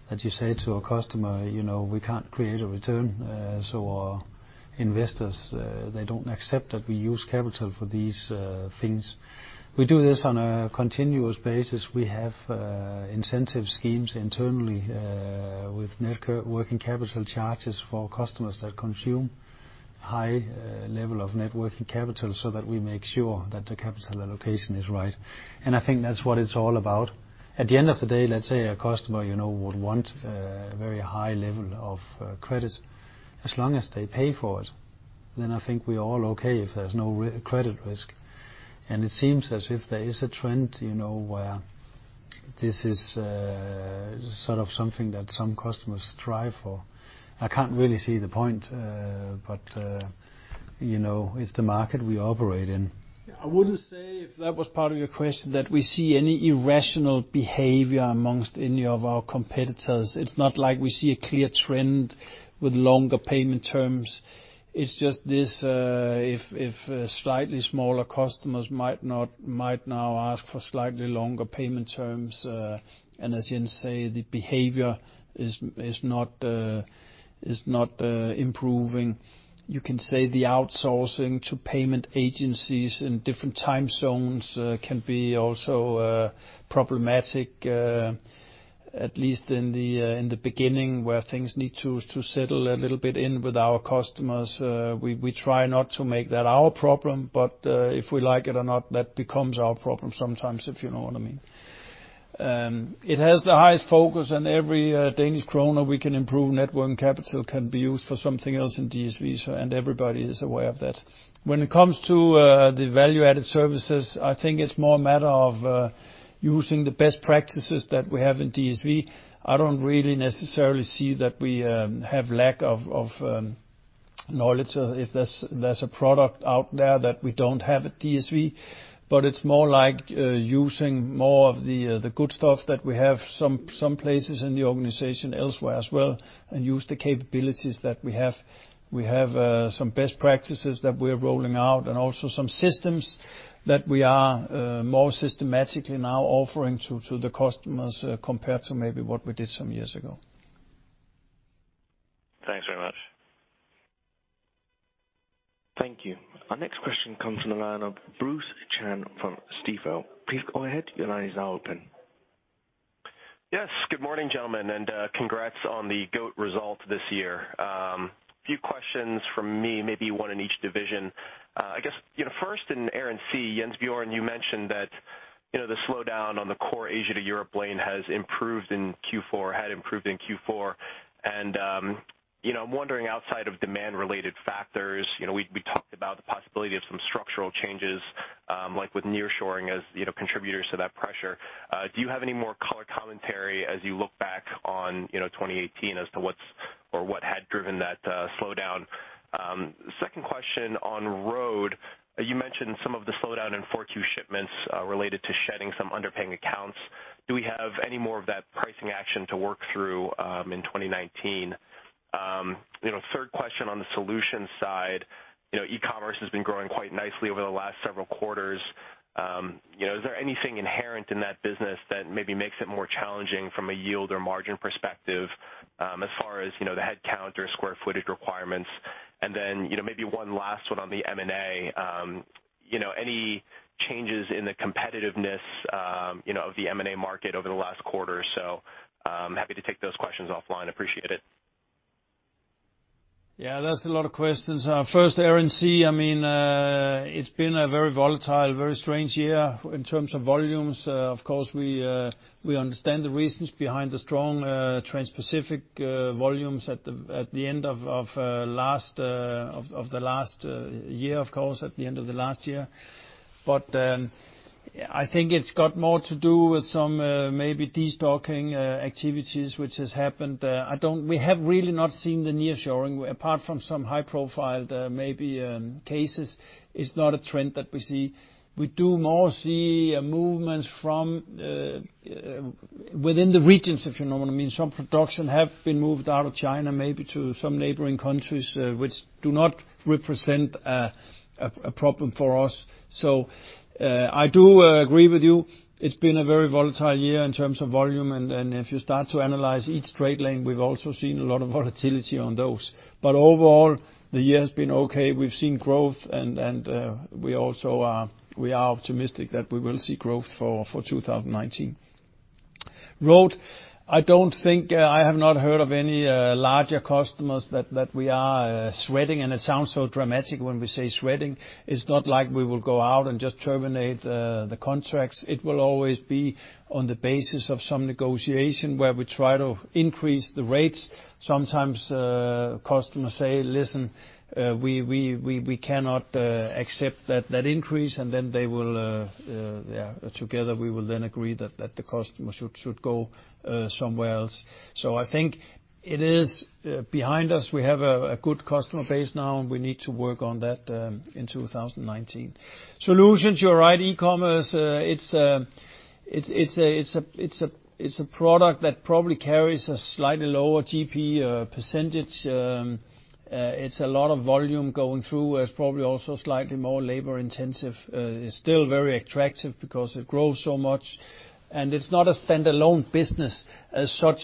That you say to a customer, "We can't create a return, so our investors, they don't accept that we use capital for these things." We do this on a continuous basis. We have incentive schemes internally with net working capital charges for customers that consume high level of net working capital, so that we make sure that the capital allocation is right. I think that's what it's all about. At the end of the day, let's say a customer would want a very high level of credit. As long as they pay for it, then I think we're all okay if there's no credit risk. It seems as if there is a trend where. This is something that some customers strive for. I can't really see the point, but it's the market we operate in. I wouldn't say, if that was part of your question, that we see any irrational behavior amongst any of our competitors. It's not like we see a clear trend with longer payment terms. It's just this, if slightly smaller customers might now ask for slightly longer payment terms, and as Jens says, the behavior is not improving. You can say the outsourcing to payment agencies in different time zones can be also problematic, at least in the beginning, where things need to settle a little bit in with our customers. We try not to make that our problem, but if we like it or not, that becomes our problem sometimes, if you know what I mean. It has the highest focus in every Danish Krone we can improve. Net working capital can be used for something else in DSV, and everybody is aware of that. When it comes to the value-added services, I think it's more a matter of using the best practices that we have in DSV. I don't really necessarily see that we have lack of knowledge, or if there's a product out there that we don't have at DSV. It's more like using more of the good stuff that we have some places in the organization elsewhere as well, and use the capabilities that we have. We have some best practices that we're rolling out, and also some systems that we are more systematically now offering to the customers, compared to maybe what we did some years ago. Thanks very much. Thank you. Our next question comes from the line of Bruce Chan from Stifel. Please go ahead. Your line is now open. Yes, good morning, gentlemen, and congrats on the good result this year. A few questions from me, maybe one in each division. I guess, first in Air & Sea, Jens Bjørn, you mentioned that the slowdown on the core Asia-to-Europe lane had improved in Q4. I'm wondering, outside of demand-related factors, we talked about the possibility of some structural changes, like with nearshoring as contributors to that pressure. Do you have any more color commentary as you look back on 2018 as to what had driven that slowdown? Second question on Road, you mentioned some of the slowdown in 4Q shipments related to shedding some underpaying accounts. Do we have any more of that pricing action to work through in 2019? Third question on the Solutions side. E-commerce has been growing quite nicely over the last several quarters. Is there anything inherent in that business that maybe makes it more challenging from a yield or margin perspective as far as the headcount or square footage requirements? Maybe one last one on the M&A. Any changes in the competitiveness of the M&A market over the last quarter or so? Happy to take those questions offline. Appreciate it. Yeah, that's a lot of questions. First, Air & Sea, it's been a very volatile, very strange year in terms of volumes. Of course, we understand the reasons behind the strong transpacific volumes at the end of the last year. I think it's got more to do with some maybe destocking activities, which has happened. We have really not seen the nearshoring, apart from some high-profiled, maybe cases. It's not a trend that we see. We do more see movements from within the regions, if you know what I mean. Some production have been moved out of China, maybe to some neighboring countries, which do not represent a problem for us. I do agree with you. It's been a very volatile year in terms of volume. If you start to analyze each trade lane, we've also seen a lot of volatility on those. Overall, the year has been okay. We've seen growth, and we are optimistic that we will see growth for 2019. Road, I have not heard of any larger customers that we are shedding. It sounds so dramatic when we say shedding. It's not like we will go out and just terminate the contracts. It will always be on the basis of some negotiation where we try to increase the rates. Sometimes customers say, "Listen, we cannot accept that increase," together we will then agree that the customer should go somewhere else. I think it is behind us. We have a good customer base now, and we need to work on that in 2019. Solutions, you're right. E-commerce, it's a product that probably carries a slightly lower GP percentage. It's a lot of volume going through. It's probably also slightly more labor-intensive. It's still very attractive because it grows so much, and it's not a standalone business as such.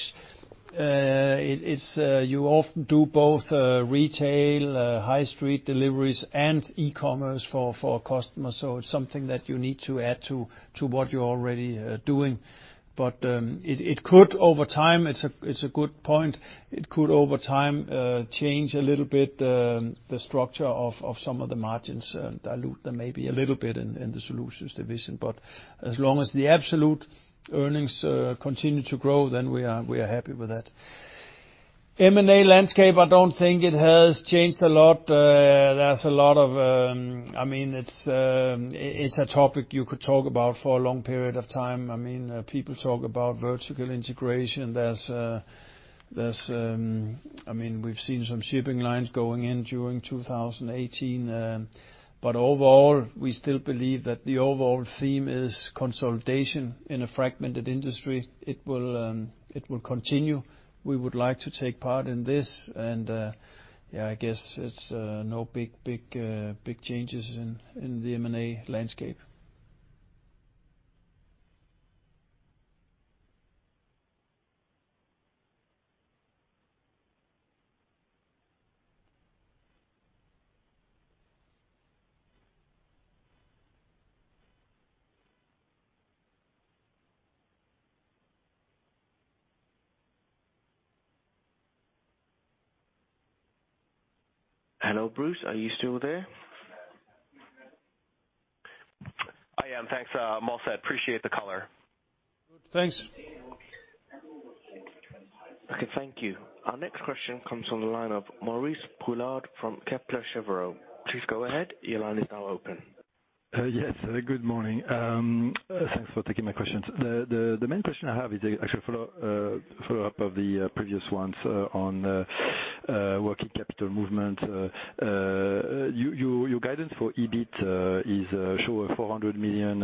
You often do both retail, high street deliveries, and e-commerce for customers, so it's something that you need to add to what you're already doing. It could over time, it's a good point. It could over time change a little bit the structure of some of the margins, dilute them maybe a little bit in the Solutions division. As long as the absolute earnings continue to grow, then we are happy with that. M&A landscape, I don't think it has changed a lot. It's a topic you could talk about for a long period of time. People talk about vertical integration. We've seen some shipping lines going in during 2018. Overall, we still believe that the overall theme is consolidation in a fragmented industry. It will continue. We would like to take part in this, I guess it's no big changes in the M&A landscape. Hello, Bruce, are you still there? I am, thanks, [Moller]. Appreciate the color. Thanks. Okay, thank you. Our next question comes from the line of Maurice Poulard from Kepler Cheuvreux. Please go ahead. Your line is now open. Yes, good morning. Thanks for taking my questions. The main question I have is actually a follow-up of the previous ones on working capital movement. Your guidance for EBIT is 400 million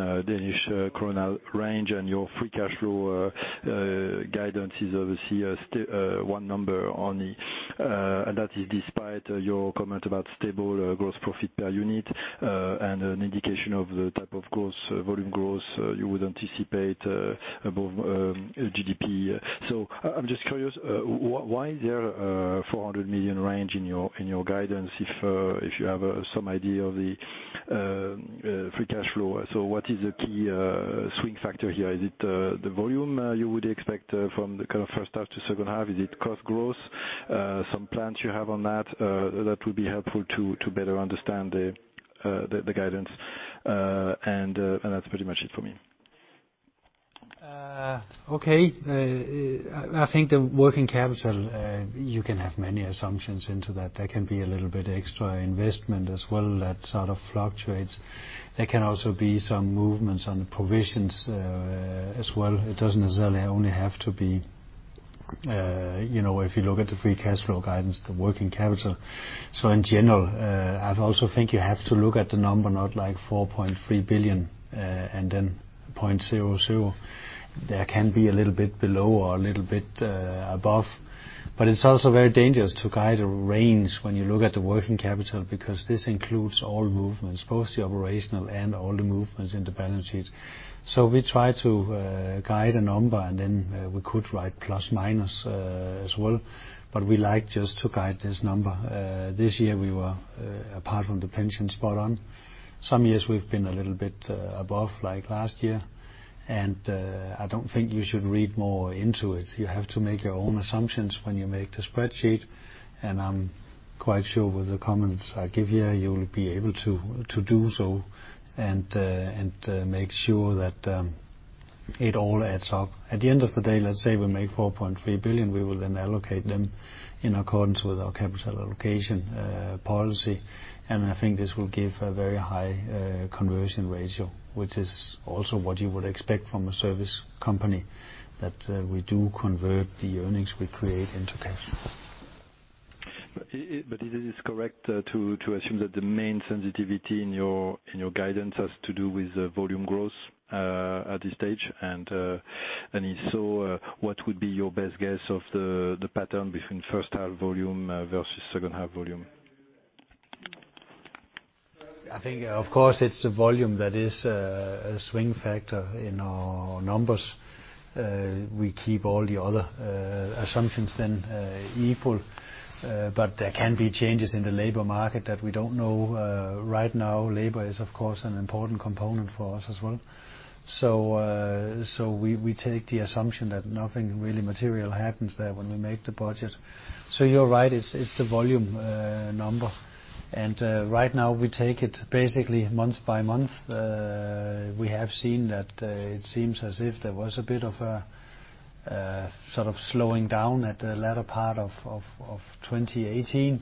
range, and your free cash flow guidance is obviously one number only. That is despite your comment about stable gross profit per unit, and an indication of the type of volume gross you would anticipate above GDP. I'm just curious, why is there a 400 million range in your guidance if you have some idea of the free cash flow? What is the key swing factor here? Is it the volume you would expect from the first half to second half? Is it cost growth? Some plans you have on that would be helpful to better understand the guidance. That's pretty much it for me. Okay. I think the working capital, you can have many assumptions into that. There can be a little bit extra investment as well, that sort of fluctuates. There can also be some movements on the provisions as well. It doesn't necessarily only have to be, if you look at the free cash flow guidance, the working capital. In general, I also think you have to look at the number, not like 4.3 billion, and then .00. There can be a little bit below or a little bit above. It's also very dangerous to guide a range when you look at the working capital, because this includes all movements, both the operational and all the movements in the balance sheet. We try to guide a number, and then we could write ± as well. We like just to guide this number. This year, we were, apart from the pension, spot on. Some years we've been a little bit above, like last year. I don't think you should read more into it. You have to make your own assumptions when you make the spreadsheet, and I'm quite sure with the comments I give you'll be able to do so and make sure that it all adds up. At the end of the day, let's say we make 4.3 billion, we will then allocate them in accordance with our capital allocation policy. I think this will give a very high conversion ratio, which is also what you would expect from a service company, that we do convert the earnings we create into cash. Is it correct to assume that the main sensitivity in your guidance has to do with volume growth at this stage? If so, what would be your best guess of the pattern between first half volume versus second half volume? I think, of course, it's the volume that is a swing factor in our numbers. We keep all the other assumptions then equal. There can be changes in the labor market that we don't know right now. Labor is, of course, an important component for us as well. We take the assumption that nothing really material happens there when we make the budget. You're right, it's the volume number. Right now we take it basically month by month. We have seen that it seems as if there was a bit of a sort of slowing down at the latter part of 2018.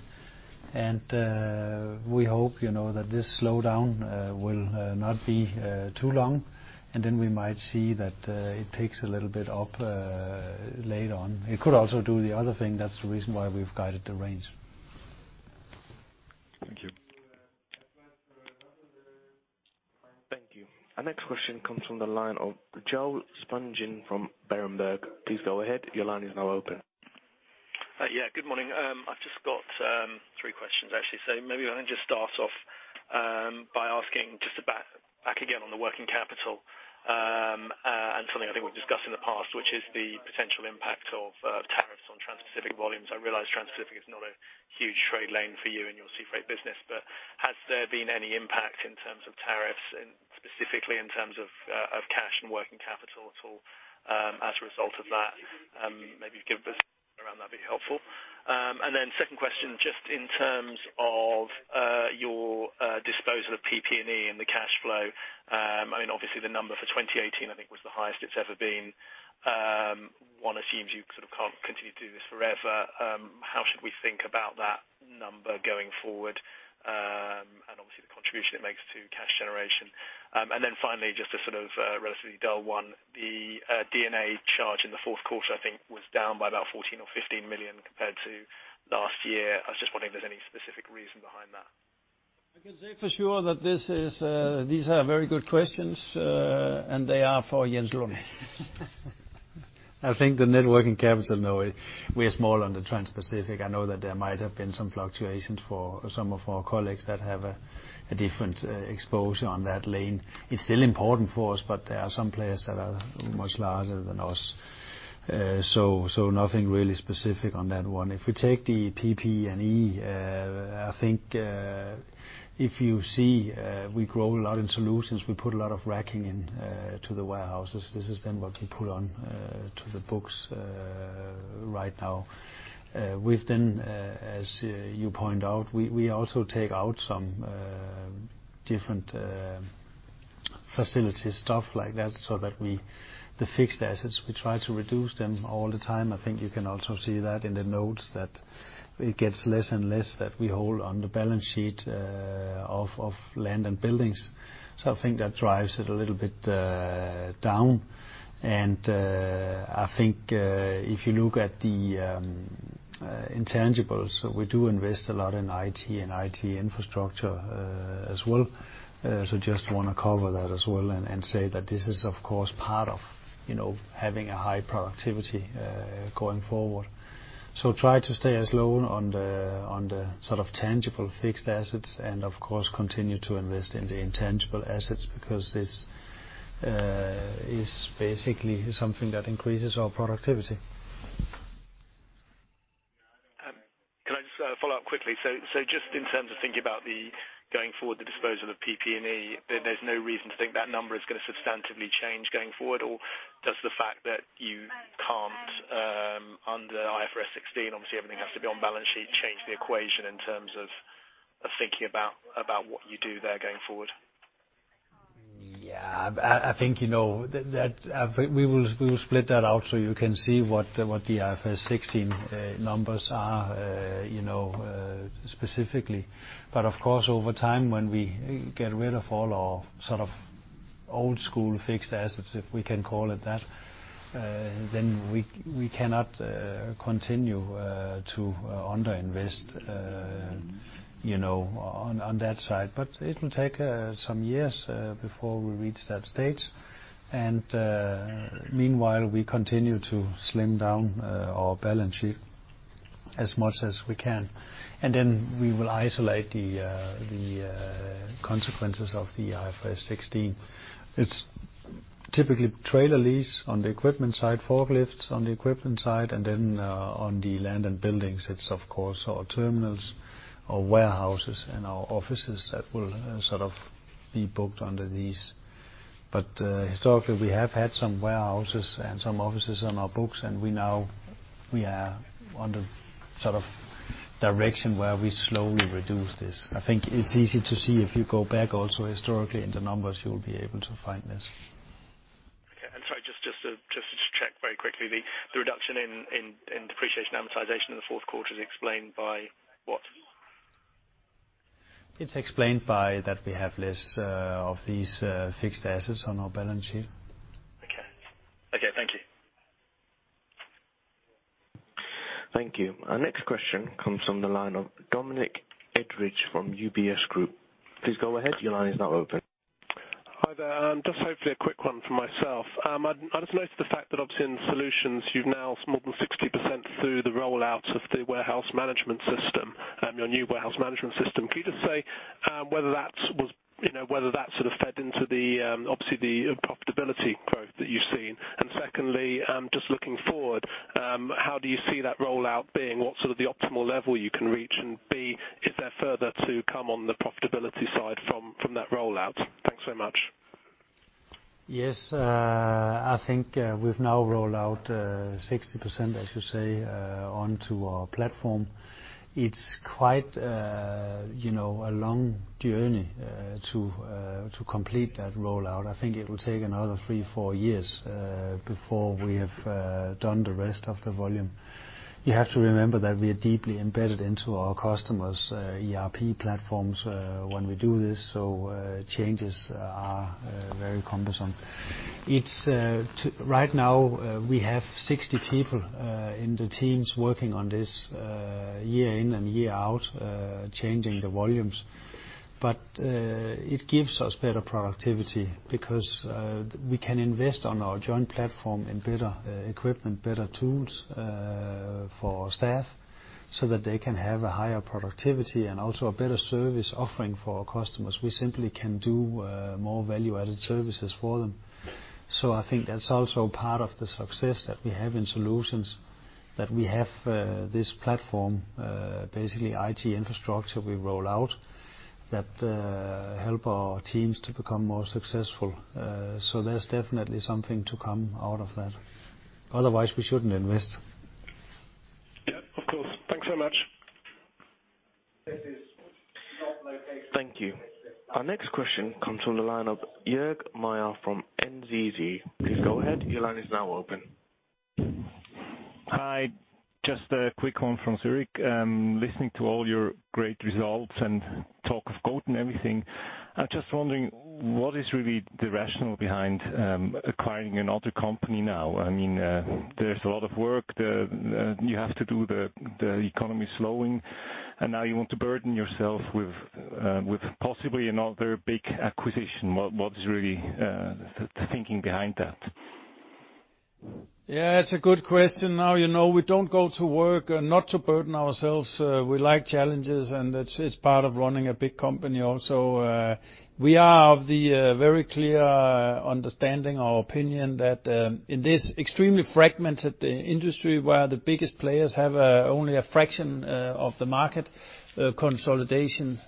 We hope that this slowdown will not be too long. Then we might see that it picks a little bit up later on. It could also do the other thing, that's the reason why we've guided the range. Thank you. Thank you. Our next question comes from the line of Joel Spungin from Berenberg. Please go ahead. Your line is now open. Good morning. I've just got three questions, actually. Maybe if I can just start off by asking just back again on the working capital, and something I think we've discussed in the past, which is the potential impact of tariffs on Transpacific volumes. I realize Transpacific is not a huge trade lane for you and your sea freight business, but has there been any impact in terms of tariffs, and specifically in terms of cash and working capital at all as a result of that? Maybe give us around that'd be helpful. Second question, just in terms of your disposal of PP&E and the cash flow. Obviously, the number for 2018, I think, was the highest it's ever been. One assumes you sort of can't continue to do this forever. How should we think about that number going forward? What contribution it makes to cash generation. Finally, just a relatively dull one, the D&A charge in the fourth quarter, I think, was down by about 14 million or 15 million compared to last year. I was just wondering if there's any specific reason behind that. I can say for sure that these are very good questions, and they are for Jens Lund. I think the net working capital, no, we are small on the Transpacific. I know that there might have been some fluctuations for some of our colleagues that have a different exposure on that lane. It's still important for us, but there are some players that are much larger than us. Nothing really specific on that one. If we take the PP&E, I think, if you see, we grow a lot in Solutions. We put a lot of racking into the warehouses. This is what we put onto the books right now. We've then, as you point out, we also take out some different facilities, stuff like that, so that the fixed assets, we try to reduce them all the time. I think you can also see that in the notes that it gets less and less that we hold on the balance sheet of land and buildings. I think that drives it a little bit down, and I think if you look at the intangibles, we do invest a lot in IT and IT infrastructure as well. Just want to cover that as well and say that this is, of course, part of having a high productivity going forward. Try to stay as low on the tangible fixed assets and, of course, continue to invest in the intangible assets because this is basically something that increases our productivity. Can I just follow up quickly? Just in terms of thinking about the going forward, the disposal of PP&E, there's no reason to think that number is going to substantively change going forward, or does the fact that you can't under IFRS 16, obviously everything has to be on balance sheet, change the equation in terms of thinking about what you do there going forward? Yeah. I think we will split that out so you can see what the IFRS 16 numbers are specifically. Of course, over time, when we get rid of all our old-school fixed assets, if we can call it that, then we cannot continue to under-invest on that side. It will take some years before we reach that stage, meanwhile, we continue to slim down our balance sheet as much as we can. Then we will isolate the consequences of the IFRS 16. It's typically trailer lease on the equipment side, forklifts on the equipment side, and then on the land and buildings, it's of course our terminals, our warehouses, and our offices that will be booked under these. Historically, we have had some warehouses and some offices on our books, and we are on the direction where we slowly reduce this. I think it's easy to see if you go back also historically in the numbers, you'll be able to find this. Okay. Sorry, just to check very quickly, the reduction in depreciation amortization in the fourth quarter is explained by what? It's explained by that we have less of these fixed assets on our balance sheet. Okay. Thank you. Thank you. Our next question comes from the line of Dominic Edridge from UBS Group. Please go ahead. Your line is now open. Hi there. Hopefully a quick one from myself. I just noticed the fact that obviously in Solutions you've now more than 60% through the rollout of the warehouse management system, your new warehouse management system. Can you just say whether that fed into the, obviously, the profitability growth that you've seen? Secondly, just looking forward, how do you see that rollout being? What's the optimal level you can reach? B, is there further to come on the profitability side from that rollout? Thanks so much. Yes. I think we've now rolled out 60%, as you say, onto our platform. It's quite a long journey to complete that rollout. I think it will take another three, four years, before we have done the rest of the volume. You have to remember that we are deeply embedded into our customers' ERP platforms when we do this, so changes are very cumbersome. Right now, we have 60 people in the teams working on this year in and year out, changing the volumes. It gives us better productivity because we can invest on our joint platform in better equipment, better tools for our staff so that they can have a higher productivity and also a better service offering for our customers. We simply can do more value-added services for them. I think that's also part of the success that we have in Solutions, that we have this platform, basically IT infrastructure we roll out that help our teams to become more successful. There's definitely something to come out of that. Otherwise, we shouldn't invest. Yeah, of course. Thanks so much. Thank you. Our next question comes from the line of Jürg Meier from NZZ. Please go ahead. Your line is now open. Hi, just a quick one from Zurich. Listening to all your great results and talk of growth and everything, I'm just wondering, what is really the rationale behind acquiring another company now? There's a lot of work that you have to do, the economy is slowing. Now you want to burden yourself with possibly another big acquisition. What is really the thinking behind that? Yeah, it's a good question. We don't go to work not to burden ourselves. We like challenges. It's part of running a big company also. We are of the very clear understanding or opinion that in this extremely fragmented industry, where the biggest players have only a fraction of the market, consolidation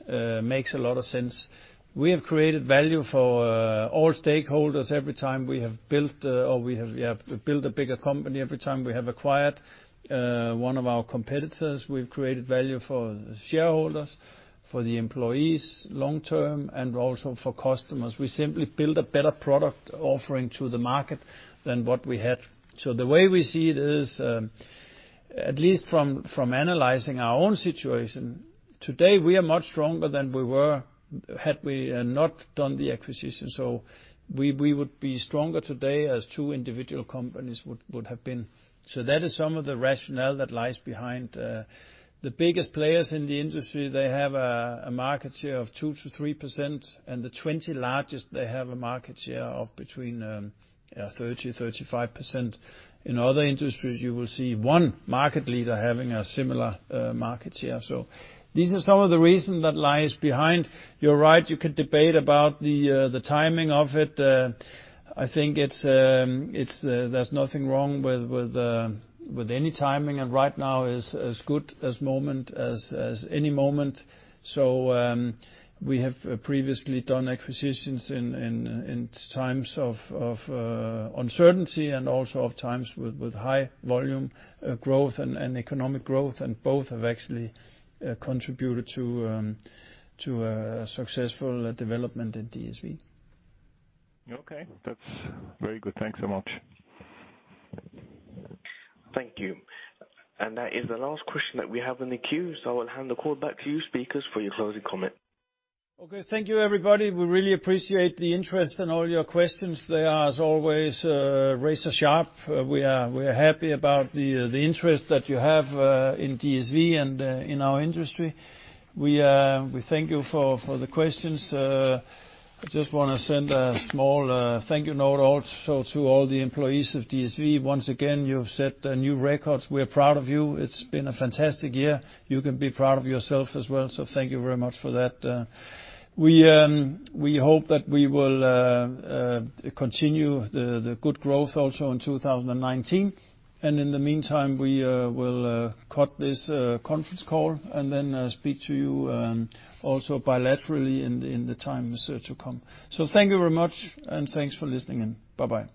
makes a lot of sense. We have created value for all stakeholders every time we have built a bigger company. Every time we have acquired one of our competitors, we've created value for shareholders, for the employees long-term, and also for customers. We simply build a better product offering to the market than what we had. The way we see it is, at least from analyzing our own situation, today, we are much stronger than we were had we not done the acquisition. We would be stronger today as two individual companies would have been. That is some of the rationale that lies behind. The biggest players in the industry, they have a market share of 2%-3%. The 20 largest, they have a market share of between 30%-35%. In other industries, you will see one market leader having a similar market share. These are some of the reasons that lies behind. You're right, you could debate about the timing of it. I think there's nothing wrong with any timing. Right now is as good as any moment. We have previously done acquisitions in times of uncertainty and also of times with high volume growth and economic growth, and both have actually contributed to a successful development in DSV. Okay. That's very good. Thanks so much. Thank you. That is the last question that we have in the queue, so I will hand the call back to you, speakers, for your closing comment. Okay. Thank you, everybody. We really appreciate the interest and all your questions. They are, as always, razor sharp. We are happy about the interest that you have in DSV and in our industry. We thank you for the questions. I just want to send a small thank you note also to all the employees of DSV. Once again, you've set new records. We're proud of you. It's been a fantastic year. You can be proud of yourselves as well, so thank you very much for that. We hope that we will continue the good growth also in 2019. In the meantime, we will cut this conference call and then speak to you also bilaterally in the times to come. Thank you very much and thanks for listening in. Bye-bye.